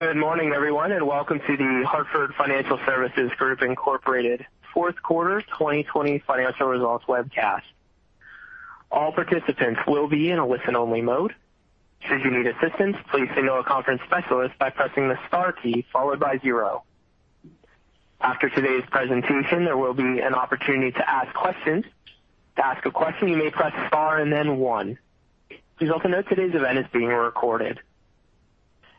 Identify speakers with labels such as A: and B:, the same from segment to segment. A: Good morning everyone, and welcome to The Hartford Financial Services Group, Inc. fourth quarter 2020 financial results webcast.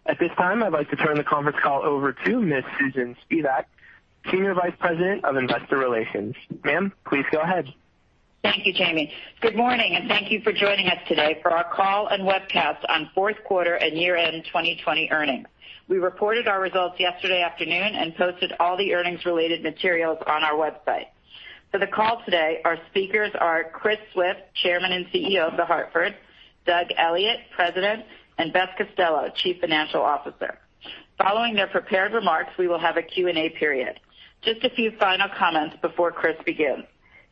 A: At this time, I'd like to turn the conference call over to Ms. Susan Spivak, Senior Vice President of Investor Relations. Ma'am, please go ahead.
B: Thank you, Jimmy. Good morning, thank you for joining us today for our call and webcast on fourth quarter and year-end 2020 earnings. We reported our results yesterday afternoon and posted all the earnings-related materials on our website. For the call today, our speakers are Chris Swift, Chairman and CEO of The Hartford, Doug Elliot, President, and Beth Costello, Chief Financial Officer. Following their prepared remarks, we will have a Q&A period. Just a few final comments before Chris begins.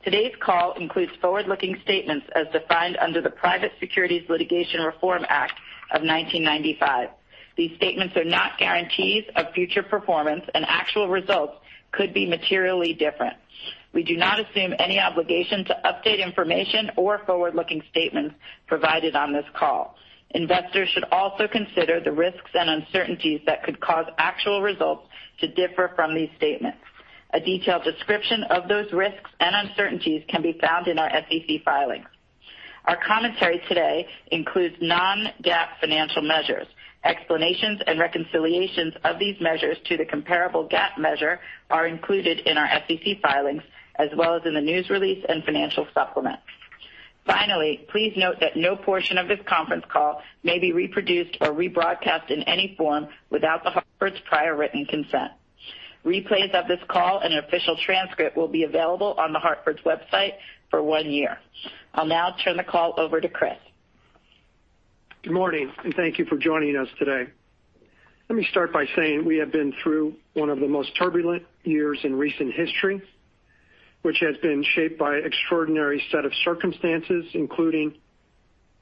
B: Today's call includes forward-looking statements as defined under the Private Securities Litigation Reform Act of 1995. These statements are not guarantees of future performance, actual results could be materially different. We do not assume any obligation to update information or forward-looking statements provided on this call. Investors should also consider the risks and uncertainties that could cause actual results to differ from these statements. A detailed description of those risks and uncertainties can be found in our SEC filings. Our commentary today includes non-GAAP financial measures. Explanations and reconciliations of these measures to the comparable GAAP measure are included in our SEC filings as well as in the news release and financial supplement. Finally, please note that no portion of this conference call may be reproduced or rebroadcast in any form without The Hartford's prior written consent. Replays of this call and an official transcript will be available on The Hartford's website for one year. I'll now turn the call over to Chris.
C: Good morning, and thank you for joining us today. Let me start by saying we have been through one of the most turbulent years in recent history, which has been shaped by an extraordinary set of circumstances, including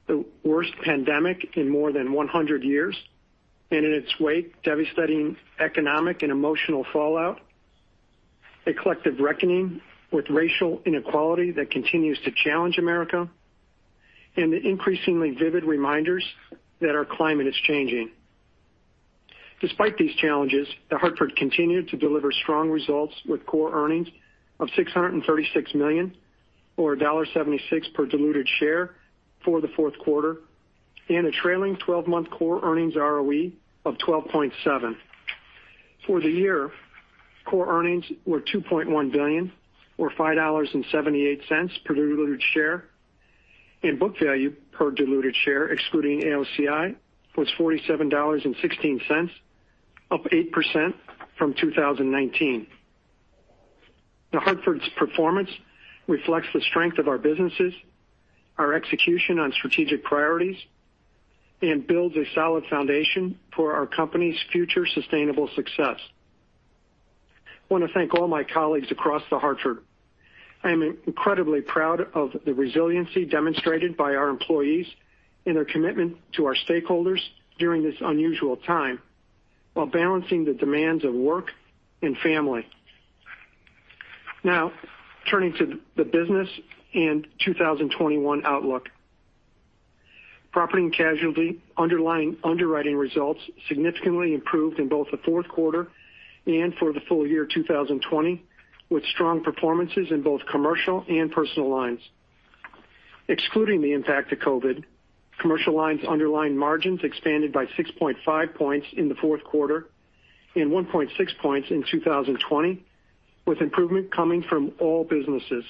C: the worst pandemic in more than 100 years, and in its wake, devastating economic and emotional fallout, a collective reckoning with racial inequality that continues to challenge America, and the increasingly vivid reminders that our climate is changing. Despite these challenges, The Hartford continued to deliver strong results with core earnings of $636 million or $1.76 per diluted share for the fourth quarter and a trailing 12-month core earnings ROE of 12.7%. For the year, core earnings were $2.1 billion or $5.78 per diluted share, and book value per diluted share, excluding AOCI, was $47.16, up 8% from 2019. The Hartford's performance reflects the strength of our businesses, our execution on strategic priorities, and builds a solid foundation for our company's future sustainable success. I want to thank all my colleagues across The Hartford. I am incredibly proud of the resiliency demonstrated by our employees and their commitment to our stakeholders during this unusual time while balancing the demands of work and family. Now, turning to the business and 2021 outlook. Property and Casualty underwriting results significantly improved in both the fourth quarter and for the full year 2020, with strong performances in both commercial and personal lines. Excluding the impact of COVID, commercial lines' underlying margins expanded by 6.5 points in the fourth quarter and 1.6 points in 2020, with improvement coming from all businesses.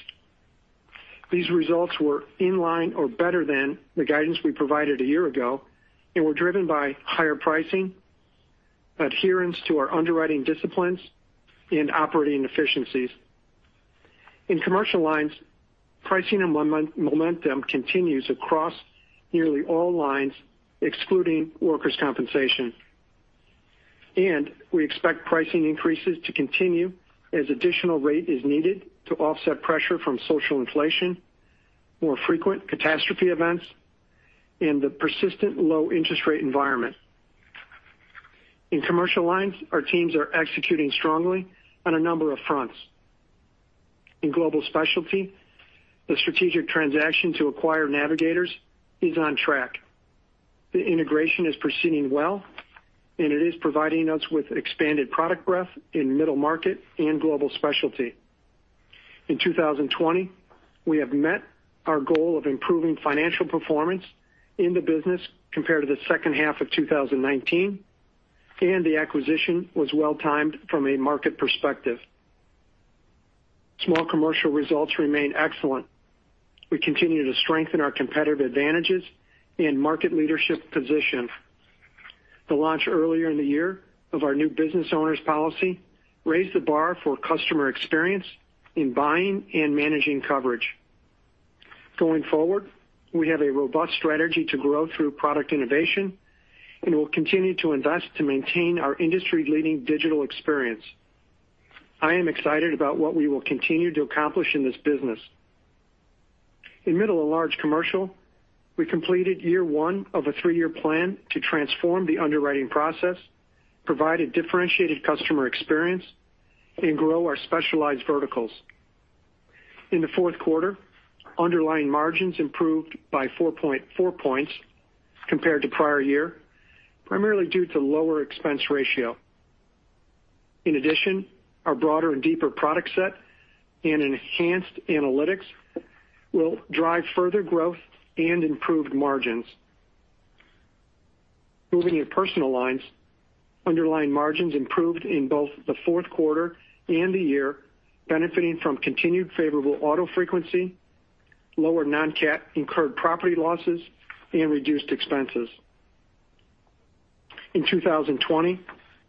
C: These results were in line or better than the guidance we provided a year ago and were driven by higher pricing, adherence to our underwriting disciplines, and operating efficiencies. In Commercial Lines, pricing and momentum continues across nearly all lines, excluding workers' compensation. We expect pricing increases to continue as additional rate is needed to offset pressure from social inflation, more frequent catastrophe events, and the persistent low interest rate environment. In Commercial Lines, our teams are executing strongly on a number of fronts. In Global Specialty, the strategic transaction to acquire Navigators is on track. The integration is proceeding well, and it is providing us with expanded product breadth in middle market and Global Specialty. In 2020, we have met our goal of improving financial performance in the business compared to the second half of 2019, and the acquisition was well-timed from a market perspective. Small commercial results remain excellent. We continue to strengthen our competitive advantages and market leadership position. The launch earlier in the year of our new business owner's policy raised the bar for customer experience in buying and managing coverage. Going forward, we have a robust strategy to grow through product innovation and will continue to invest to maintain our industry-leading digital experience. I am excited about what we will continue to accomplish in this business. In middle of large commercial, we completed year one of a three-year plan to transform the underwriting process, provide a differentiated customer experience, and grow our specialized verticals. In the fourth quarter, underlying margins improved by four points compared to prior year, primarily due to lower expense ratio. In addition, our broader and deeper product set and enhanced analytics will drive further growth and improved margins. Moving to personal lines, underlying margins improved in both the fourth quarter and the year, benefiting from continued favorable auto frequency, lower non-cat incurred property losses, and reduced expenses. In 2020,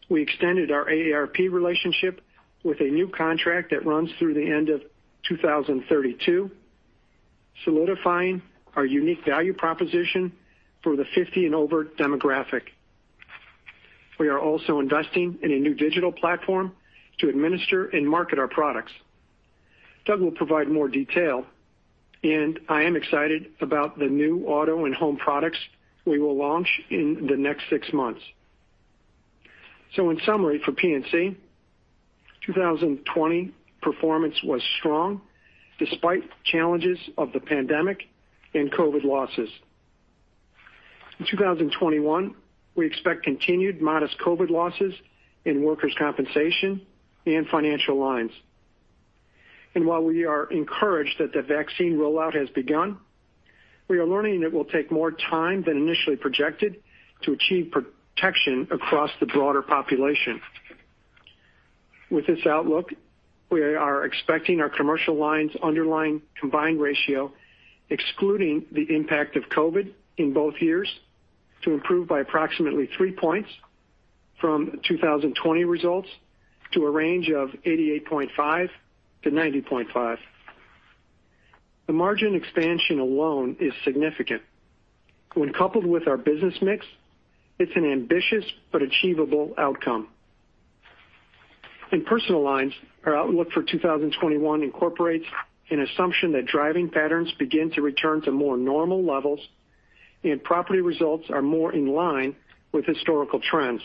C: we extended our AARP relationship with a new contract that runs through the end of 2032, solidifying our unique value proposition for the 50 and over demographic. We are also investing in a new digital platform to administer and market our products. Doug will provide more detail, and I am excited about the new auto and home products we will launch in the next six months. In summary, for P&C, 2020 performance was strong despite challenges of the pandemic and COVID losses. In 2021, we expect continued modest COVID losses in workers' compensation and financial lines. While we are encouraged that the vaccine rollout has begun, we are learning it will take more time than initially projected to achieve protection across the broader population. With this outlook, we are expecting our Commercial Lines' underlying combined ratio, excluding the impact of COVID in both years, to improve by approximately 3 points from 2020 results to a range of 88.5-90.5. The margin expansion alone is significant. When coupled with our business mix, it's an ambitious but achievable outcome. In Personal Lines, our outlook for 2021 incorporates an assumption that driving patterns begin to return to more normal levels and property results are more in line with historical trends.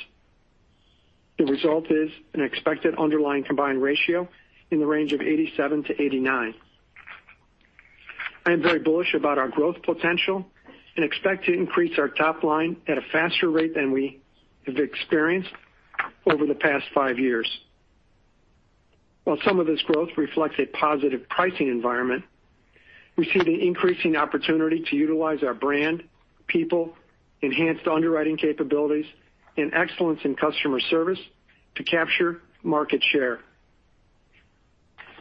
C: The result is an expected underlying combined ratio in the range of 87-89. I am very bullish about our growth potential and expect to increase our top line at a faster rate than we have experienced over the past five years. While some of this growth reflects a positive pricing environment, we see the increasing opportunity to utilize our brand, people, enhanced underwriting capabilities, and excellence in customer service to capture market share.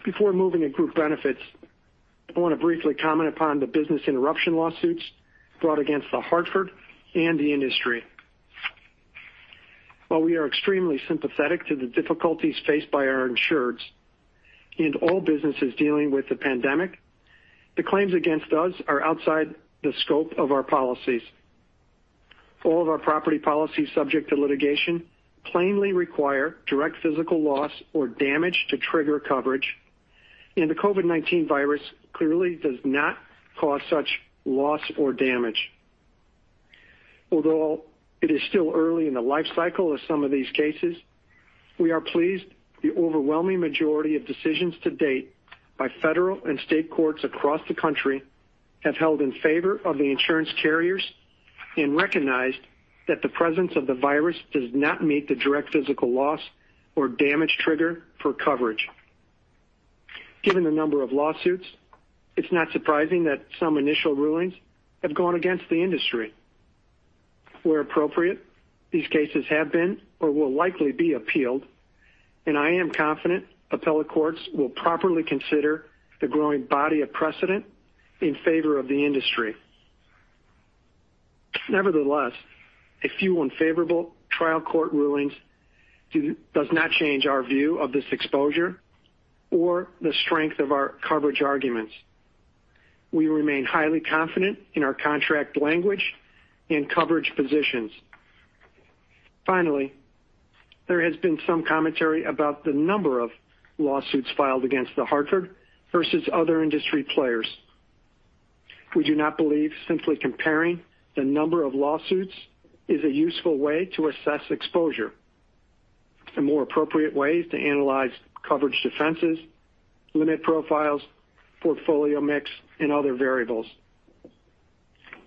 C: Before moving to Group Benefits, I want to briefly comment upon the business interruption lawsuits brought against The Hartford and the industry. While we are extremely sympathetic to the difficulties faced by our insureds, in all businesses dealing with the pandemic, the claims against us are outside the scope of our policies. All of our property policies subject to litigation plainly require direct physical loss or damage to trigger coverage, and the COVID-19 virus clearly does not cause such loss or damage. Although it is still early in the life cycle of some of these cases, we are pleased the overwhelming majority of decisions to date by federal and state courts across the country have held in favor of the insurance carriers and recognized that the presence of the virus does not meet the direct physical loss or damage trigger for coverage. Given the number of lawsuits, it's not surprising that some initial rulings have gone against the industry. Where appropriate, these cases have been or will likely be appealed, and I am confident appellate courts will properly consider the growing body of precedent in favor of the industry. Nevertheless, a few unfavorable trial court rulings does not change our view of this exposure or the strength of our coverage arguments. We remain highly confident in our contract language and coverage positions. Finally, there has been some commentary about the number of lawsuits filed against The Hartford versus other industry players. We do not believe simply comparing the number of lawsuits is a useful way to assess exposure. A more appropriate way is to analyze coverage defenses, limit profiles, portfolio mix, and other variables.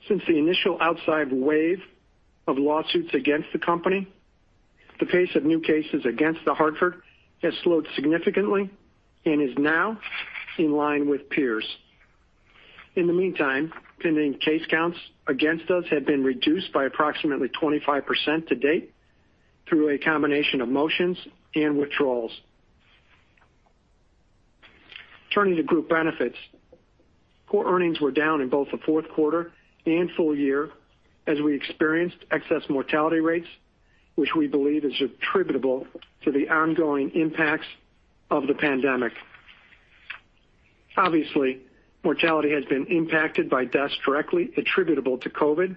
C: Since the initial outsized wave of lawsuits against the company, the pace of new cases against The Hartford has slowed significantly and is now in line with peers. In the meantime, pending case counts against us have been reduced by approximately 25% to date through a combination of motions and withdrawals. Turning to Group Benefits. Core earnings were down in both the fourth quarter and full year as we experienced excess mortality rates, which we believe is attributable to the ongoing impacts of the pandemic. Obviously, mortality has been impacted by deaths directly attributable to COVID.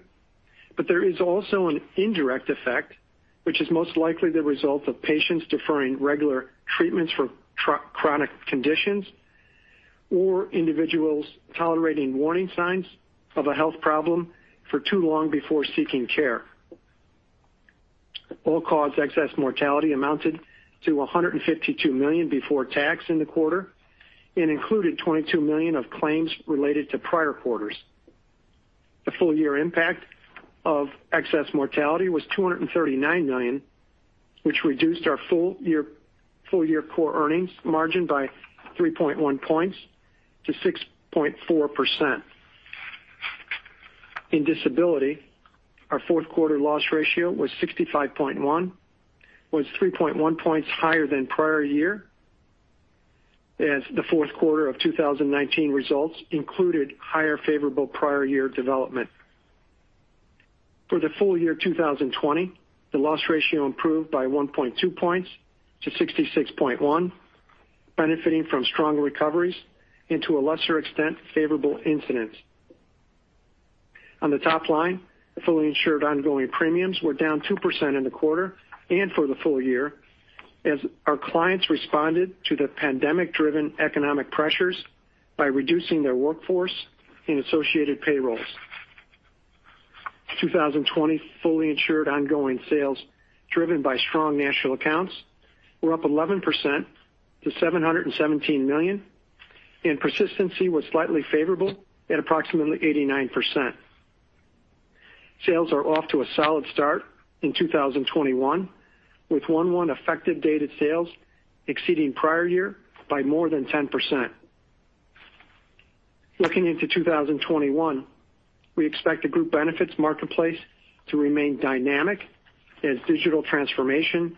C: There is also an indirect effect, which is most likely the result of patients deferring regular treatments for chronic conditions or individuals tolerating warning signs of a health problem for too long before seeking care. All-cause excess mortality amounted to $152 million before tax in the quarter and included $22 million of claims related to prior quarters. The full-year impact of excess mortality was $239 million, which reduced our full-year core earnings margin by 3.1 points to 6.4%. In disability, our fourth quarter loss ratio was 65.1, 3.1 points higher than prior year, as the fourth quarter of 2019 results included higher favorable prior year development. For the full year 2020, the loss ratio improved by 1.2 points to 66.1, benefiting from strong recoveries and to a lesser extent, favorable incidents. On the top line, the fully insured ongoing premiums were down 2% in the quarter and for the full year as our clients responded to the pandemic-driven economic pressures by reducing their workforce and associated payrolls. 2020 fully insured ongoing sales driven by strong national accounts were up 11% to $717 million, and persistency was slightly favorable at approximately 89%. Sales are off to a solid start in 2021 with 1/1 effective dated sales exceeding prior year by more than 10%. Looking into 2021, we expect the Group Benefits marketplace to remain dynamic as digital transformation,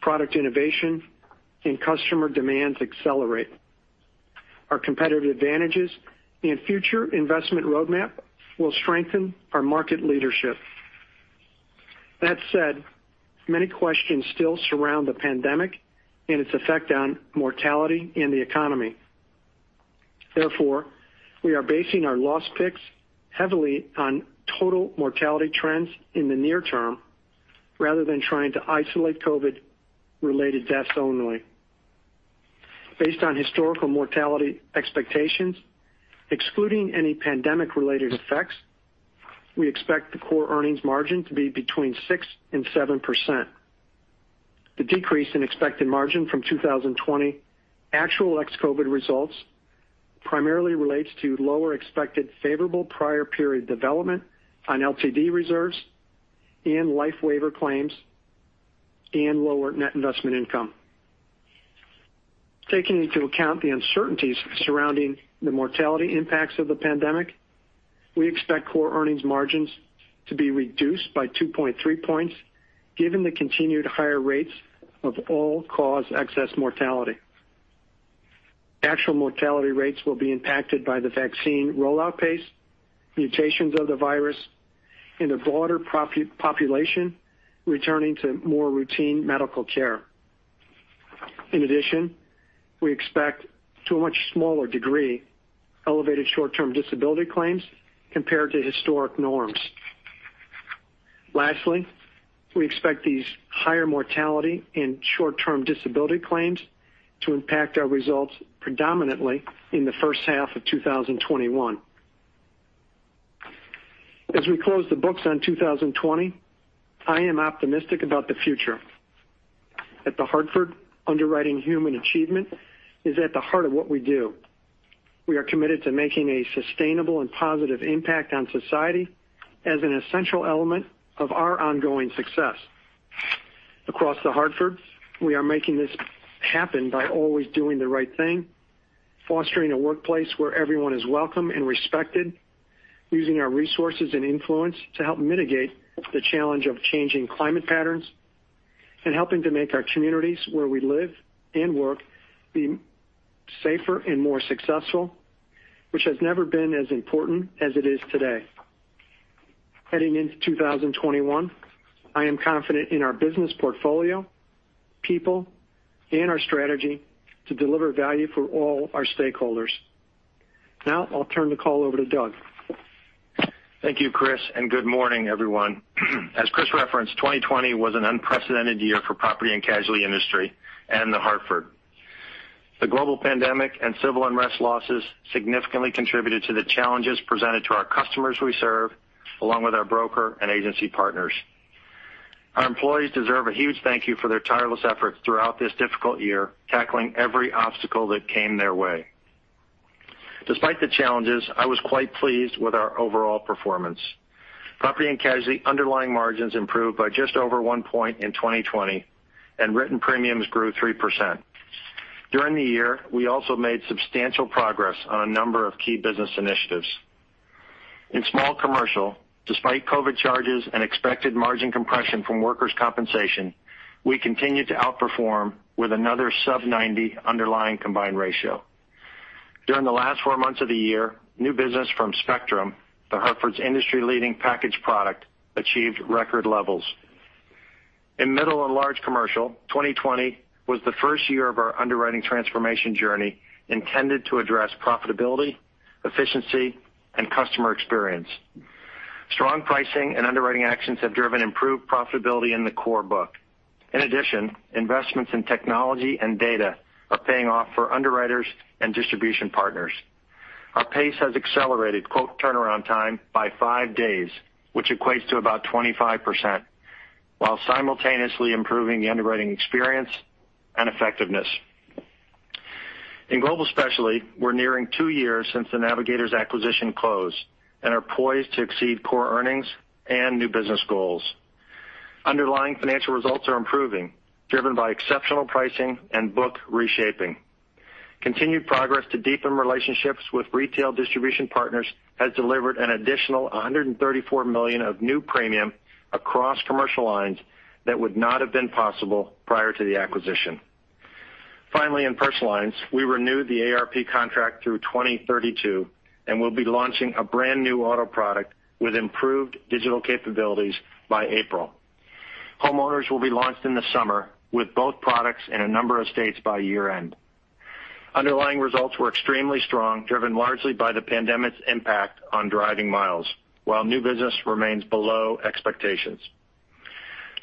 C: product innovation, and customer demands accelerate. Our competitive advantages and future investment roadmap will strengthen our market leadership. That said, many questions still surround the pandemic and its effect on mortality and the economy. We are basing our loss picks heavily on total mortality trends in the near term, rather than trying to isolate COVID-related deaths only. Based on historical mortality expectations, excluding any pandemic-related effects, we expect the core earnings margin to be between 6% and 7%. The decrease in expected margin from 2020 actual ex-COVID results primarily relates to lower expected favorable prior period development on LTD reserves and life waiver claims and lower net investment income. Taking into account the uncertainties surrounding the mortality impacts of the pandemic, we expect core earnings margins to be reduced by 2.3 points given the continued higher rates of all-cause excess mortality. Actual mortality rates will be impacted by the vaccine rollout pace, mutations of the virus in the broader population returning to more routine medical care. We expect to a much smaller degree, elevated short-term disability claims compared to historic norms. Lastly, we expect these higher mortality and short-term disability claims to impact our results predominantly in the first half of 2021. As we close the books on 2020, I am optimistic about the future. At The Hartford, underwriting human achievement is at the heart of what we do. We are committed to making a sustainable and positive impact on society as an essential element of our ongoing success. Across The Hartford, we are making this happen by always doing the right thing, fostering a workplace where everyone is welcome and respected, using our resources and influence to help mitigate the challenge of changing climate patterns, and helping to make our communities where we live and work be safer and more successful, which has never been as important as it is today. Heading into 2021, I am confident in our business portfolio, people, and our strategy to deliver value for all our stakeholders. Now, I'll turn the call over to Doug.
D: Thank you, Chris, and good morning, everyone. As Chris referenced, 2020 was an unprecedented year for property and casualty industry and The Hartford. The global pandemic and civil unrest losses significantly contributed to the challenges presented to our customers we serve, along with our broker and agency partners. Our employees deserve a huge thank you for their tireless efforts throughout this difficult year, tackling every obstacle that came their way. Despite the challenges, I was quite pleased with our overall performance. Property and casualty underlying margins improved by just over one point in 2020, and written premiums grew 3%. During the year, we also made substantial progress on a number of key business initiatives. In small commercial, despite COVID charges and expected margin compression from workers' compensation, we continued to outperform with another sub-90 underlying combined ratio. During the last four months of the year, new business from Spectrum, The Hartford's industry-leading package product, achieved record levels. In middle and large commercial, 2020 was the first year of our underwriting transformation journey intended to address profitability, efficiency, and customer experience. Strong pricing and underwriting actions have driven improved profitability in the core book. In addition, investments in technology and data are paying off for underwriters and distribution partners. Our pace has accelerated quote turnaround time by five days, which equates to about 25%, while simultaneously improving the underwriting experience and effectiveness. In Global Specialty, we're nearing two years since the Navigators acquisition closed and are poised to exceed core earnings and new business goals. Underlying financial results are improving, driven by exceptional pricing and book reshaping. Continued progress to deepen relationships with retail distribution partners has delivered an additional $134 million of new premium across commercial lines that would not have been possible prior to the acquisition. Finally, in personal lines, we renewed the AARP contract through 2032, and we'll be launching a brand-new auto product with improved digital capabilities by April. Homeowners will be launched in the summer, with both products in a number of states by year-end. Underlying results were extremely strong, driven largely by the pandemic's impact on driving miles, while new business remains below expectations.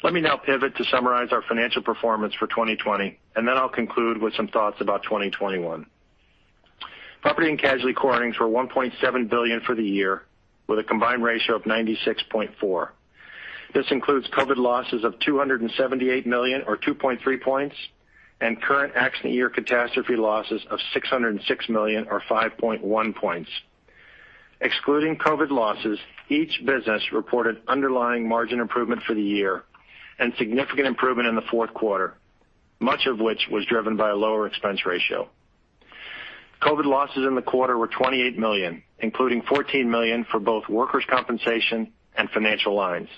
D: Let me now pivot to summarize our financial performance for 2020, and then I'll conclude with some thoughts about 2021. Property and casualty core earnings were $1.7 billion for the year, with a combined ratio of 96.4%. This includes COVID losses of $278 million, or 2.3 points, and current accident year catastrophe losses of $606 million, or 5.1 points. Excluding COVID losses, each business reported underlying margin improvement for the year and significant improvement in the fourth quarter, much of which was driven by a lower expense ratio. COVID losses in the quarter were $28 million, including $14 million for both workers' compensation and financial lines.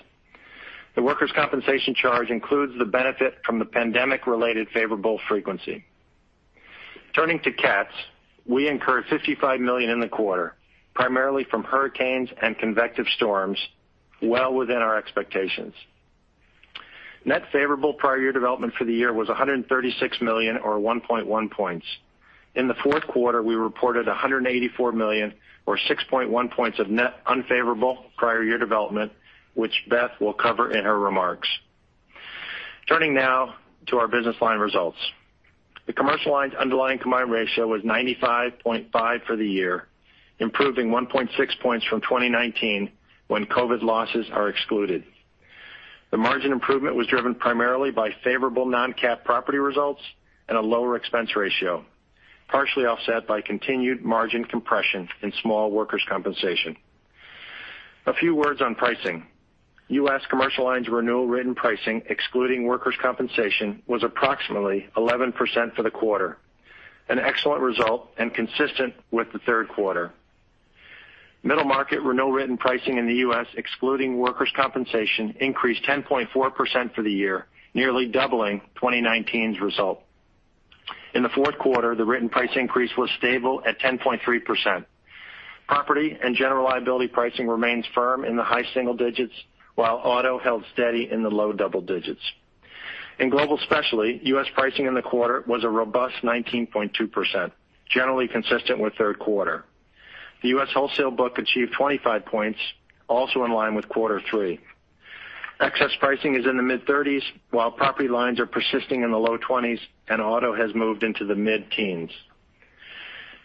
D: The workers' compensation charge includes the benefit from the pandemic-related favorable frequency. Turning to cats, we incurred $55 million in the quarter, primarily from hurricanes and convective storms, well within our expectations. Net favorable prior year development for the year was $136 million, or 1.1 points. In the fourth quarter, we reported $184 million, or 6.1 points of net unfavorable prior year development, which Beth will cover in her remarks. Turning now to our business line results. The commercial lines underlying combined ratio was 95.5 for the year, improving 1.6 points from 2019 when COVID losses are excluded. The margin improvement was driven primarily by favorable non-cat property results and a lower expense ratio, partially offset by continued margin compression in small workers' compensation. A few words on pricing. U.S. commercial lines renewal written pricing, excluding workers' compensation, was approximately 11% for the quarter, an excellent result and consistent with the third quarter. Middle market renewal written pricing in the U.S., excluding workers' compensation, increased 10.4% for the year, nearly doubling 2019's result. In the fourth quarter, the written price increase was stable at 10.3%. Property and general liability pricing remains firm in the high single digits, while auto held steady in the low double digits. In Global Specialty, U.S. pricing in the quarter was a robust 19.2%, generally consistent with third quarter. The U.S. wholesale book achieved 25 points, also in line with quarter three. Excess pricing is in the mid-30s, while property lines are persisting in the low 20s and auto has moved into the mid-teens.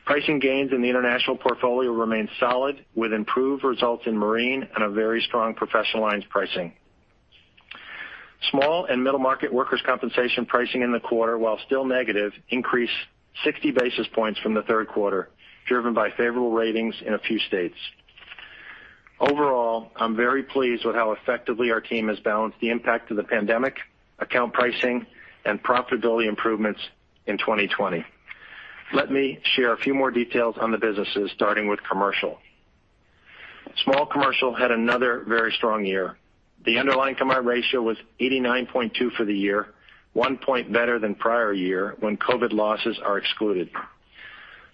D: Pricing gains in the international portfolio remain solid, with improved results in marine and a very strong professional lines pricing. Small and middle market workers' compensation pricing in the quarter, while still negative, increased 60 basis points from the third quarter, driven by favorable ratings in a few states. Overall, I'm very pleased with how effectively our team has balanced the impact of the pandemic, account pricing, and profitability improvements in 2020. Let me share a few more details on the businesses, starting with commercial. Small commercial had another very strong year. The underlying combined ratio was 89.2 for the year, one point better than prior year when COVID losses are excluded.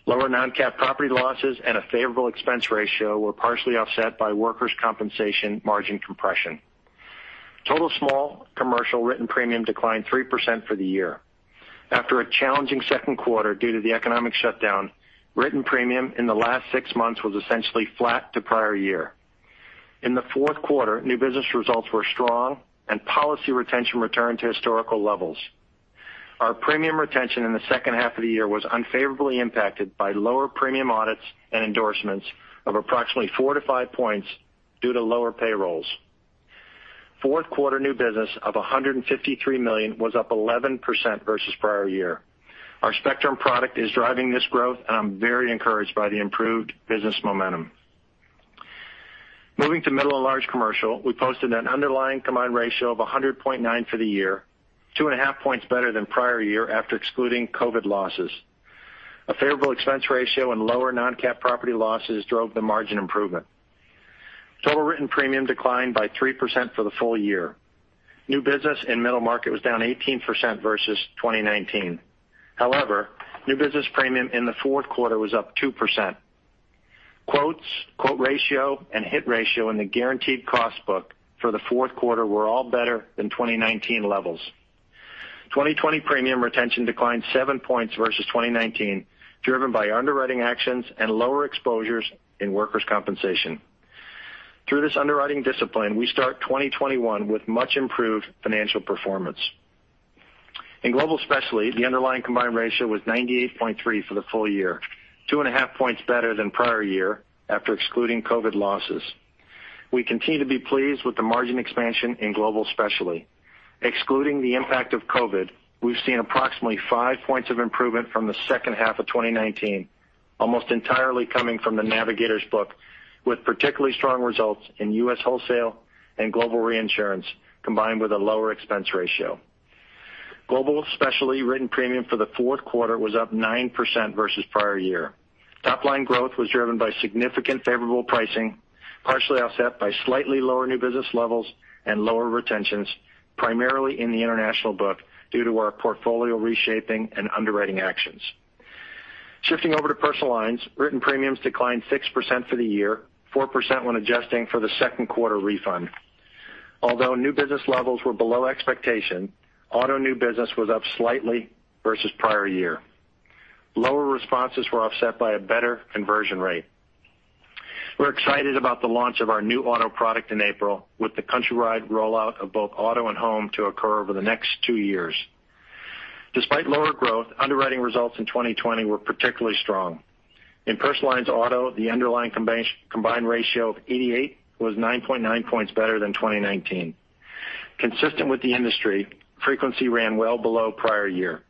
D: Lower non-cat property losses and a favorable expense ratio were partially offset by workers' compensation margin compression. Total small commercial written premium declined 3% for the year. After a challenging second quarter due to the economic shutdown, written premium in the last six months was essentially flat to prior year. In the fourth quarter, new business results were strong and policy retention returned to historical levels. Our premium retention in the second half of the year was unfavorably impacted by lower premium audits and endorsements of approximately 4-5 points due to lower payrolls. Fourth quarter new business of $153 million was up 11% versus prior year. Our Spectrum product is driving this growth, and I'm very encouraged by the improved business momentum. Moving to middle and large commercial, we posted an underlying combined ratio of 100.9 for the year, 2.5 points better than prior year after excluding COVID losses. A favorable expense ratio and lower non-cat property losses drove the margin improvement. Total written premium declined by 3% for the full year. New business in middle market was down 18% versus 2019. However, new business premium in the fourth quarter was up 2%. Quotes, quote ratio, and hit ratio in the guaranteed cost book for the fourth quarter were all better than 2019 levels. 2020 premium retention declined seven points versus 2019, driven by underwriting actions and lower exposures in workers' compensation. Through this underwriting discipline, we start 2021 with much improved financial performance. In Global Specialty, the underlying combined ratio was 98.3 for the full year, 2.5 points better than prior year after excluding COVID losses. We continue to be pleased with the margin expansion in Global Specialty. Excluding the impact of COVID, we've seen approximately five points of improvement from the second half of 2019, almost entirely coming from The Navigators book, with particularly strong results in U.S. wholesale and global reinsurance, combined with a lower expense ratio. Global Specialty written premium for the fourth quarter was up 9% versus prior year. Top-line growth was driven by significant favorable pricing, partially offset by slightly lower new business levels and lower retentions, primarily in the international book due to our portfolio reshaping and underwriting actions. Shifting over to Personal Lines, written premiums declined 6% for the year, 4% when adjusting for the second quarter refund. Although new business levels were below expectation, auto new business was up slightly versus prior year. Lower responses were offset by a better conversion rate. We're excited about the launch of our new auto product in April, with the countrywide rollout of both auto and home to occur over the next two years. Despite lower growth, underwriting results in 2020 were particularly strong. In Personal Lines auto, the underlying combined ratio of 88 was 9.9 points better than 2019. Consistent with the industry, frequency ran well below prior year.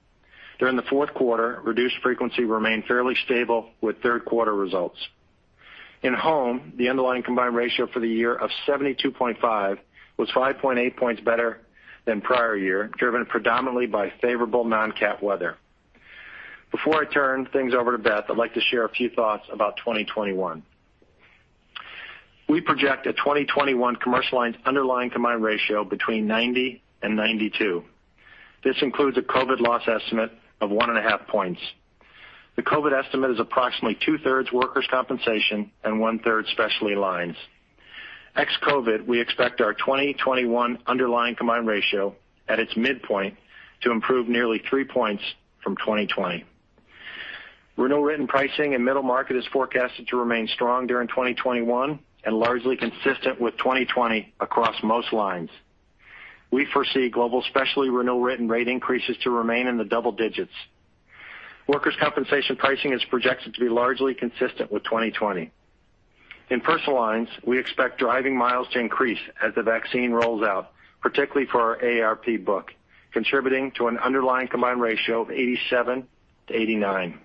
D: During the fourth quarter, reduced frequency remained fairly stable with third-quarter results. In home, the underlying combined ratio for the year of 72.5 was 5.8 points better than prior year, driven predominantly by favorable non-cat weather. Before I turn things over to Beth, I'd like to share a few thoughts about 2021. We project a 2021 Commercial Lines underlying combined ratio between 90 and 92. This includes a COVID loss estimate of one and a half points. The COVID estimate is approximately two-thirds workers' compensation and one-third specialty lines. Ex-COVID, we expect our 2021 underlying combined ratio at its midpoint to improve nearly three points from 2020. Renewal written pricing in middle market is forecasted to remain strong during 2021 and largely consistent with 2020 across most lines. We foresee Global Specialty renewal written rate increases to remain in the double digits. Workers' compensation pricing is projected to be largely consistent with 2020. In Personal Lines, we expect driving miles to increase as the vaccine rolls out, particularly for our AARP book, contributing to an underlying combined ratio of 87-89.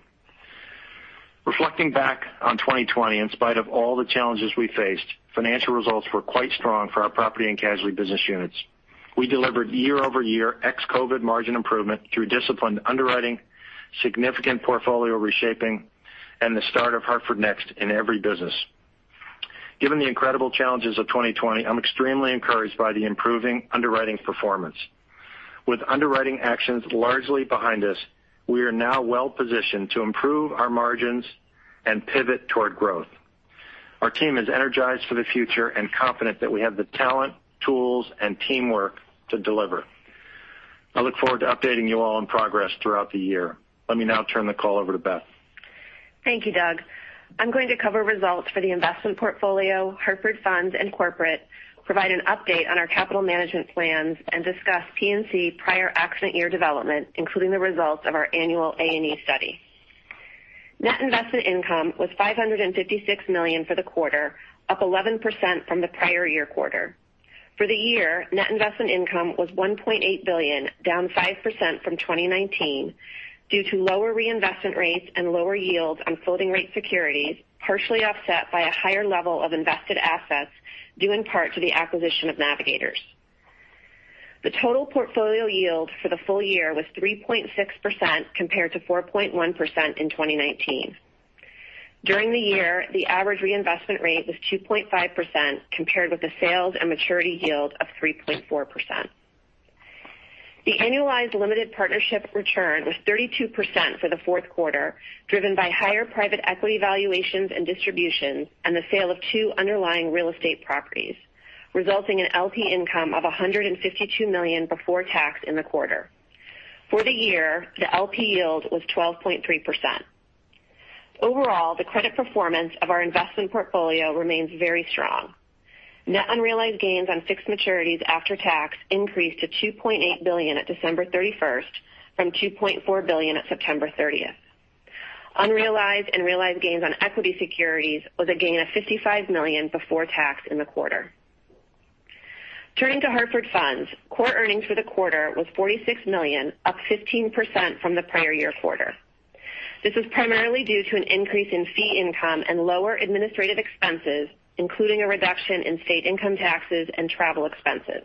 D: Reflecting back on 2020, in spite of all the challenges we faced, financial results were quite strong for our property and casualty business units. We delivered year-over-year ex-COVID margin improvement through disciplined underwriting, significant portfolio reshaping, and the start of Hartford NEXT in every business. Given the incredible challenges of 2020, I'm extremely encouraged by the improving underwriting performance. With underwriting actions largely behind us, we are now well-positioned to improve our margins and pivot toward growth. Our team is energized for the future and confident that we have the talent, tools, and teamwork to deliver. I look forward to updating you all on progress throughout the year. Let me now turn the call over to Beth.
E: Thank you, Doug. I'm going to cover results for the investment portfolio, Hartford Funds, and corporate, provide an update on our capital management plans, and discuss P&C prior accident year development, including the results of our annual A&E study. Net investment income was $556 million for the quarter, up 11% from the prior year quarter. For the year, net investment income was $1.8 billion, down 5% from 2019 due to lower reinvestment rates and lower yields on floating rate securities, partially offset by a higher level of invested assets due in part to the acquisition of Navigators. The total portfolio yield for the full year was 3.6% compared to 4.1% in 2019. During the year, the average reinvestment rate was 2.5%, compared with a sales and maturity yield of 3.4%. The annualized limited partnership return was 32% for the fourth quarter, driven by higher private equity valuations and distributions and the sale of two underlying real estate properties, resulting in LP income of $152 million before tax in the quarter. For the year, the LP yield was 12.3%. Overall, the credit performance of our investment portfolio remains very strong. Net unrealized gains on fixed maturities after tax increased to $2.8 billion at December 31st from $2.4 billion at September 30th. Unrealized and realized gains on equity securities was a gain of $55 million before tax in the quarter. Turning to Hartford Funds, core earnings for the quarter was $46 million, up 15% from the prior year quarter. This is primarily due to an increase in fee income and lower administrative expenses, including a reduction in state income taxes and travel expenses.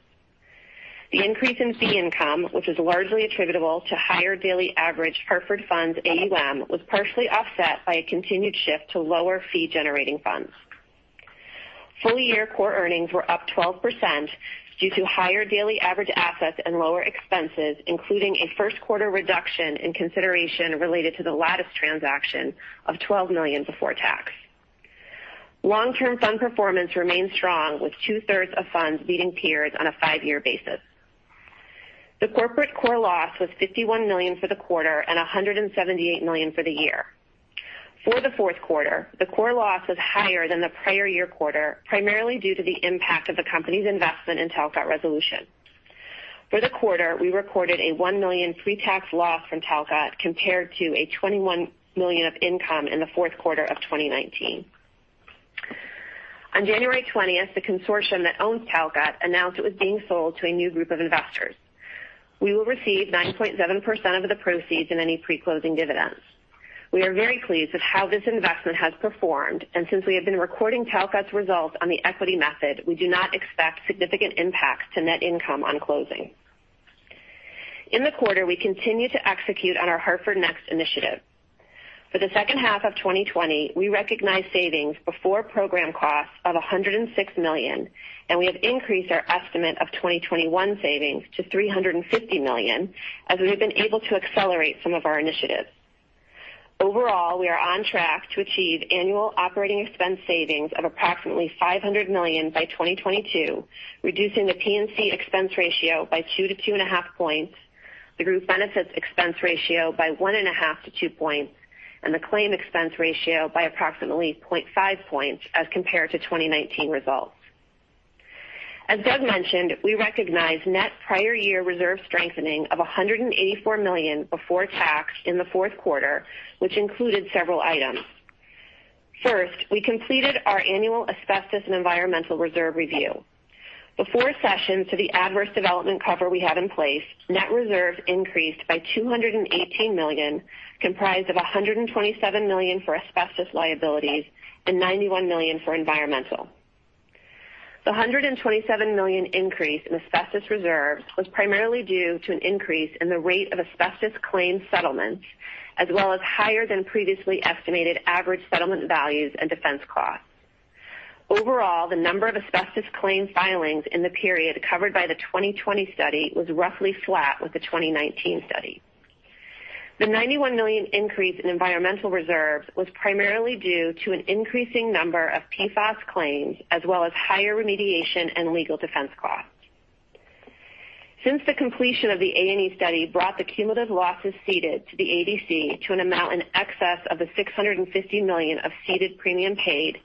E: The increase in fee income, which is largely attributable to higher daily average Hartford Funds AUM, was partially offset by a continued shift to lower fee-generating funds. Full year core earnings were up 12% due to higher daily average assets and lower expenses, including a first quarter reduction in consideration related to the Lattice transaction of $12 million before tax. Long-term fund performance remains strong, with two-thirds of funds beating peers on a five-year basis. The corporate core loss was $51 million for the quarter and $178 million for the year. For the fourth quarter, the core loss was higher than the prior year quarter, primarily due to the impact of the company's investment in Talcott Resolution. For the quarter, we recorded a $1 million pre-tax loss from Talcott compared to a $21 million of income in the fourth quarter of 2019. On January 20th, the consortium that owns Talcott announced it was being sold to a new group of investors. We will receive 9.7% of the proceeds in any pre-closing dividends. We are very pleased with how this investment has performed, and since we have been recording Talcott's results on the equity method, we do not expect significant impacts to net income on closing. In the quarter, we continued to execute on our Hartford NEXT initiative. For the second half of 2020, we recognized savings before program costs of $106 million, and we have increased our estimate of 2021 savings to $350 million as we have been able to accelerate some of our initiatives. Overall, we are on track to achieve annual operating expense savings of approximately $500 million by 2022, reducing the P&C expense ratio by 2 to 2.5 points, the Group Benefits expense ratio by 1.5 to 2 points, and the claim expense ratio by approximately 0.5 points as compared to 2019 results. As Doug mentioned, we recognized net prior year reserve strengthening of $184 million before tax in the fourth quarter, which included several items. First, we completed our annual asbestos and environmental reserve review. Before cessions to the adverse development cover we have in place, net reserves increased by $218 million, comprised of $127 million for asbestos liabilities and $91 million for environmental. The $127 million increase in asbestos reserves was primarily due to an increase in the rate of asbestos claim settlements, as well as higher than previously estimated average settlement values and defense costs. Overall, the number of asbestos claim filings in the period covered by the 2020 study was roughly flat with the 2019 study. The $91 million increase in environmental reserves was primarily due to an increasing number of PFAS claims, as well as higher remediation and legal defense costs. Since the completion of the A&E study brought the cumulative losses ceded to the ADC to an amount in excess of the $650 million of ceded premium paid,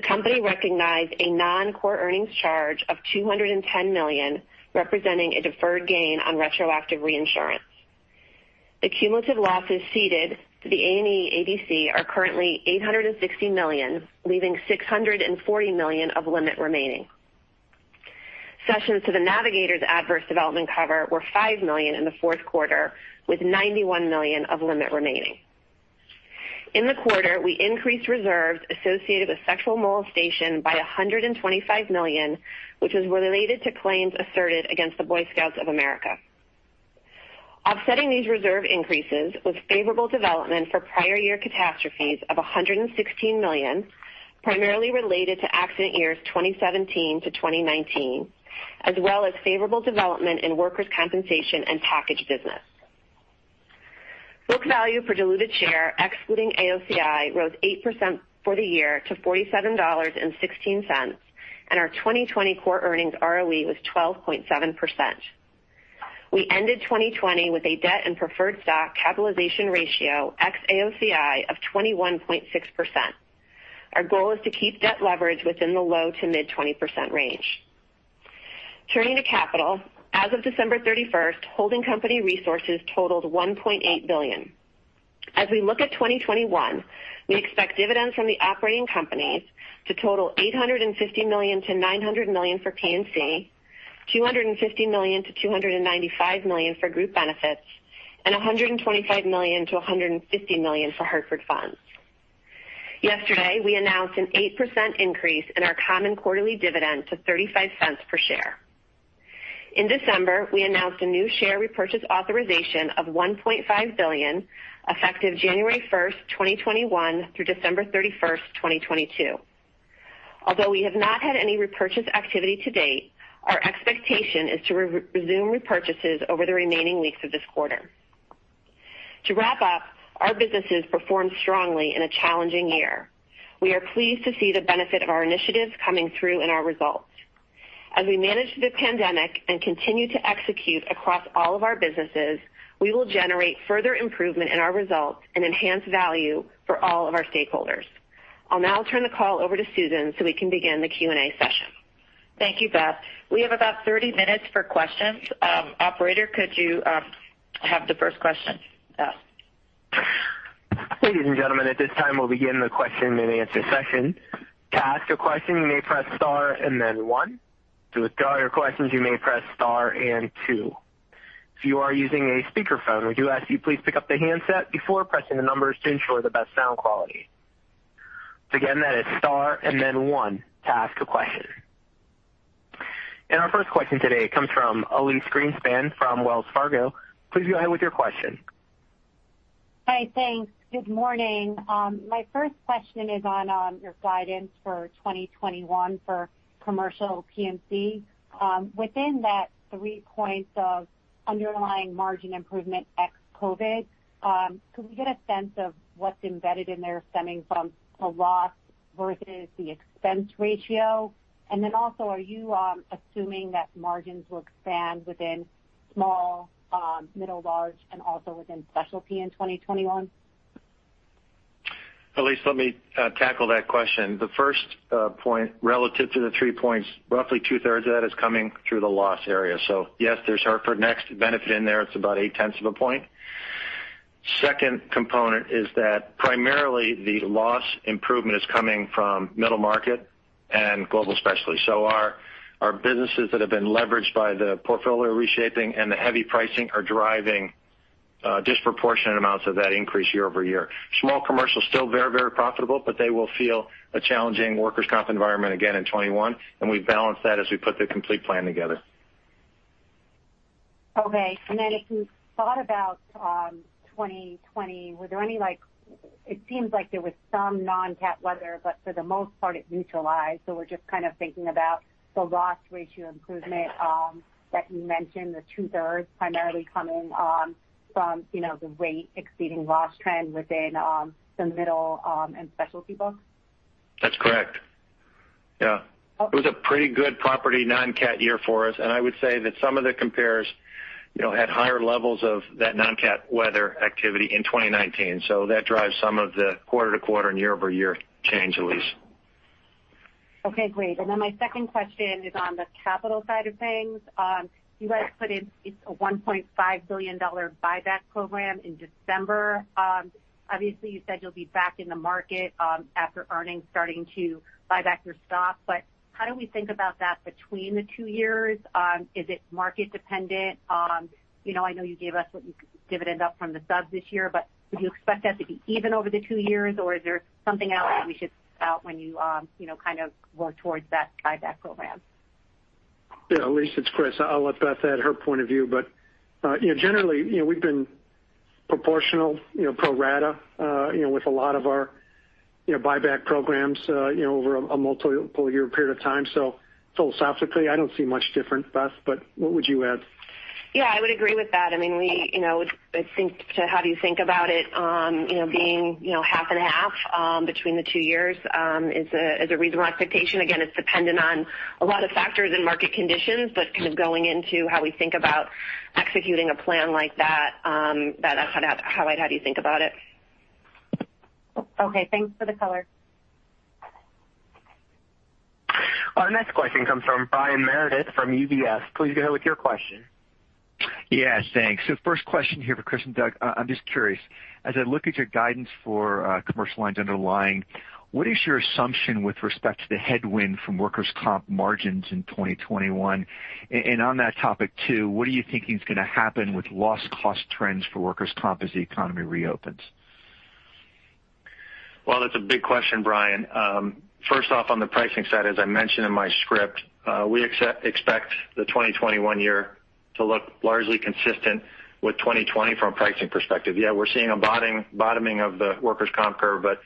E: the company recognized a non-core earnings charge of $210 million, representing a deferred gain on retroactive reinsurance. The cumulative losses ceded to the A&E ADC are currently $860 million, leaving $640 million of limit remaining. Cessions to the Navigators' adverse development cover were $5 million in the fourth quarter, with $91 million of limit remaining. In the quarter, we increased reserves associated with sexual molestation by $125 million, which was related to claims asserted against the Boy Scouts of America. Offsetting these reserve increases was favorable development for prior year catastrophes of $116 million, primarily related to accident years 2017-2019, as well as favorable development in workers' compensation and package business. Book value per diluted share, excluding AOCI, rose 8% for the year to $47.16, and our 2020 core earnings ROE was 12.7%. We ended 2020 with a debt and preferred stock capitalization ratio ex-AOCI of 21.6%. Our goal is to keep debt leverage within the low to mid 20% range. Turning to capital, as of December 31st, holding company resources totaled $1.8 billion. As we look at 2021, we expect dividends from the operating companies to total $850 million-$900 million for P&C, $250 million-$295 million for Group Benefits, and $125 million-$150 million for Hartford Funds. Yesterday, we announced an 8% increase in our common quarterly dividend to $0.35 per share. In December, we announced a new share repurchase authorization of $1.5 billion, effective January 1st, 2021 through December 31st, 2022. Although we have not had any repurchase activity to date, our expectation is to resume repurchases over the remaining weeks of this quarter. To wrap up, our businesses performed strongly in a challenging year. We are pleased to see the benefit of our initiatives coming through in our results. As we manage through this pandemic and continue to execute across all of our businesses, we will generate further improvement in our results and enhance value for all of our stakeholders. I'll now turn the call over to Susan so we can begin the Q&A session.
B: Thank you, Beth. We have about 30 minutes for questions. Operator, could you have the first question? Yes.
A: Ladies and gentlemen, at this time, we'll begin the question and answer session. To ask a question, you may press star and then one. To withdraw your questions, you may press star and two. If you are using a speakerphone, we do ask you please pick up the handset before pressing the numbers to ensure the best sound quality. Again, that is star and then one to ask a question. Our first question today comes from Elyse Greenspan from Wells Fargo. Please go ahead with your question.
F: Hi. Thanks. Good morning. My first question is on your guidance for 2021 for commercial P&C. Within that three points of underlying margin improvement ex-COVID, could we get a sense of what's embedded in there stemming from the loss versus the expense ratio? Also, are you assuming that margins will expand within small, middle, large, and also within specialty in 2021?
D: Elyse, let me tackle that question. The first point, relative to the three points, roughly two-thirds of that is coming through the loss area. Yes, there's Hartford NEXT benefit in there. It's about eight-10ths of a point. Second component is that primarily the loss improvement is coming from middle market and Global Specialty. Our businesses that have been leveraged by the portfolio reshaping and the heavy pricing are driving disproportionate amounts of that increase year-over-year. Small commercial is still very profitable, but they will feel a challenging workers' comp environment again in 2021, and we've balanced that as we put the complete plan together.
F: Okay. If you thought about 2020, it seems like there was some non-cat weather, but for the most part, it neutralized. We're just kind of thinking about the loss ratio improvement that you mentioned, the two-thirds primarily coming from the rate-exceeding-loss trend within the middle and Specialty books.
D: That's correct. Yeah. It was a pretty good property non-cat year for us, and I would say that some of the compares had higher levels of that non-cat weather activity in 2019. That drives some of the quarter-to-quarter and year-over-year change, Elyse.
F: Okay, great. My second question is on the capital side of things. You guys put in a $1.5 billion buyback program in December. Obviously, you said you'll be back in the market after earnings, starting to buy back your stock, but how do we think about that between the two years? Is it market dependent? I know you gave us what you could dividend up from the sub this year, but would you expect that to be even over the two years, or is there something else that we should look out when you work towards that buyback program?
C: Yeah, Elyse, it's Chris. I'll let Beth add her point of view, but generally, we've been proportional, pro rata with a lot of our buyback programs over a multiple-year period of time. Philosophically, I don't see much different, Beth, but what would you add?
E: Yeah, I would agree with that. I think how do you think about it being half and half between the two years is a reasonable expectation. Again, it's dependent on a lot of factors and market conditions, kind of going into how we think about executing a plan like that's how I'd have you think about it.
F: Okay. Thanks for the color.
A: Our next question comes from Brian Meredith from UBS. Please go ahead with your question.
G: Yeah, thanks. First question here for Chris and Doug. I'm just curious, as I look at your guidance for commercial lines underlying, what is your assumption with respect to the headwind from workers' comp margins in 2021? On that topic too, what are you thinking is going to happen with loss cost trends for workers' comp as the economy reopens?
D: Well, that's a big question, Brian. First off, on the pricing side, as I mentioned in my script, we expect the 2021 year to look largely consistent with 2020 from a pricing perspective. Yeah, we're seeing a bottoming of the workers' comp curve, but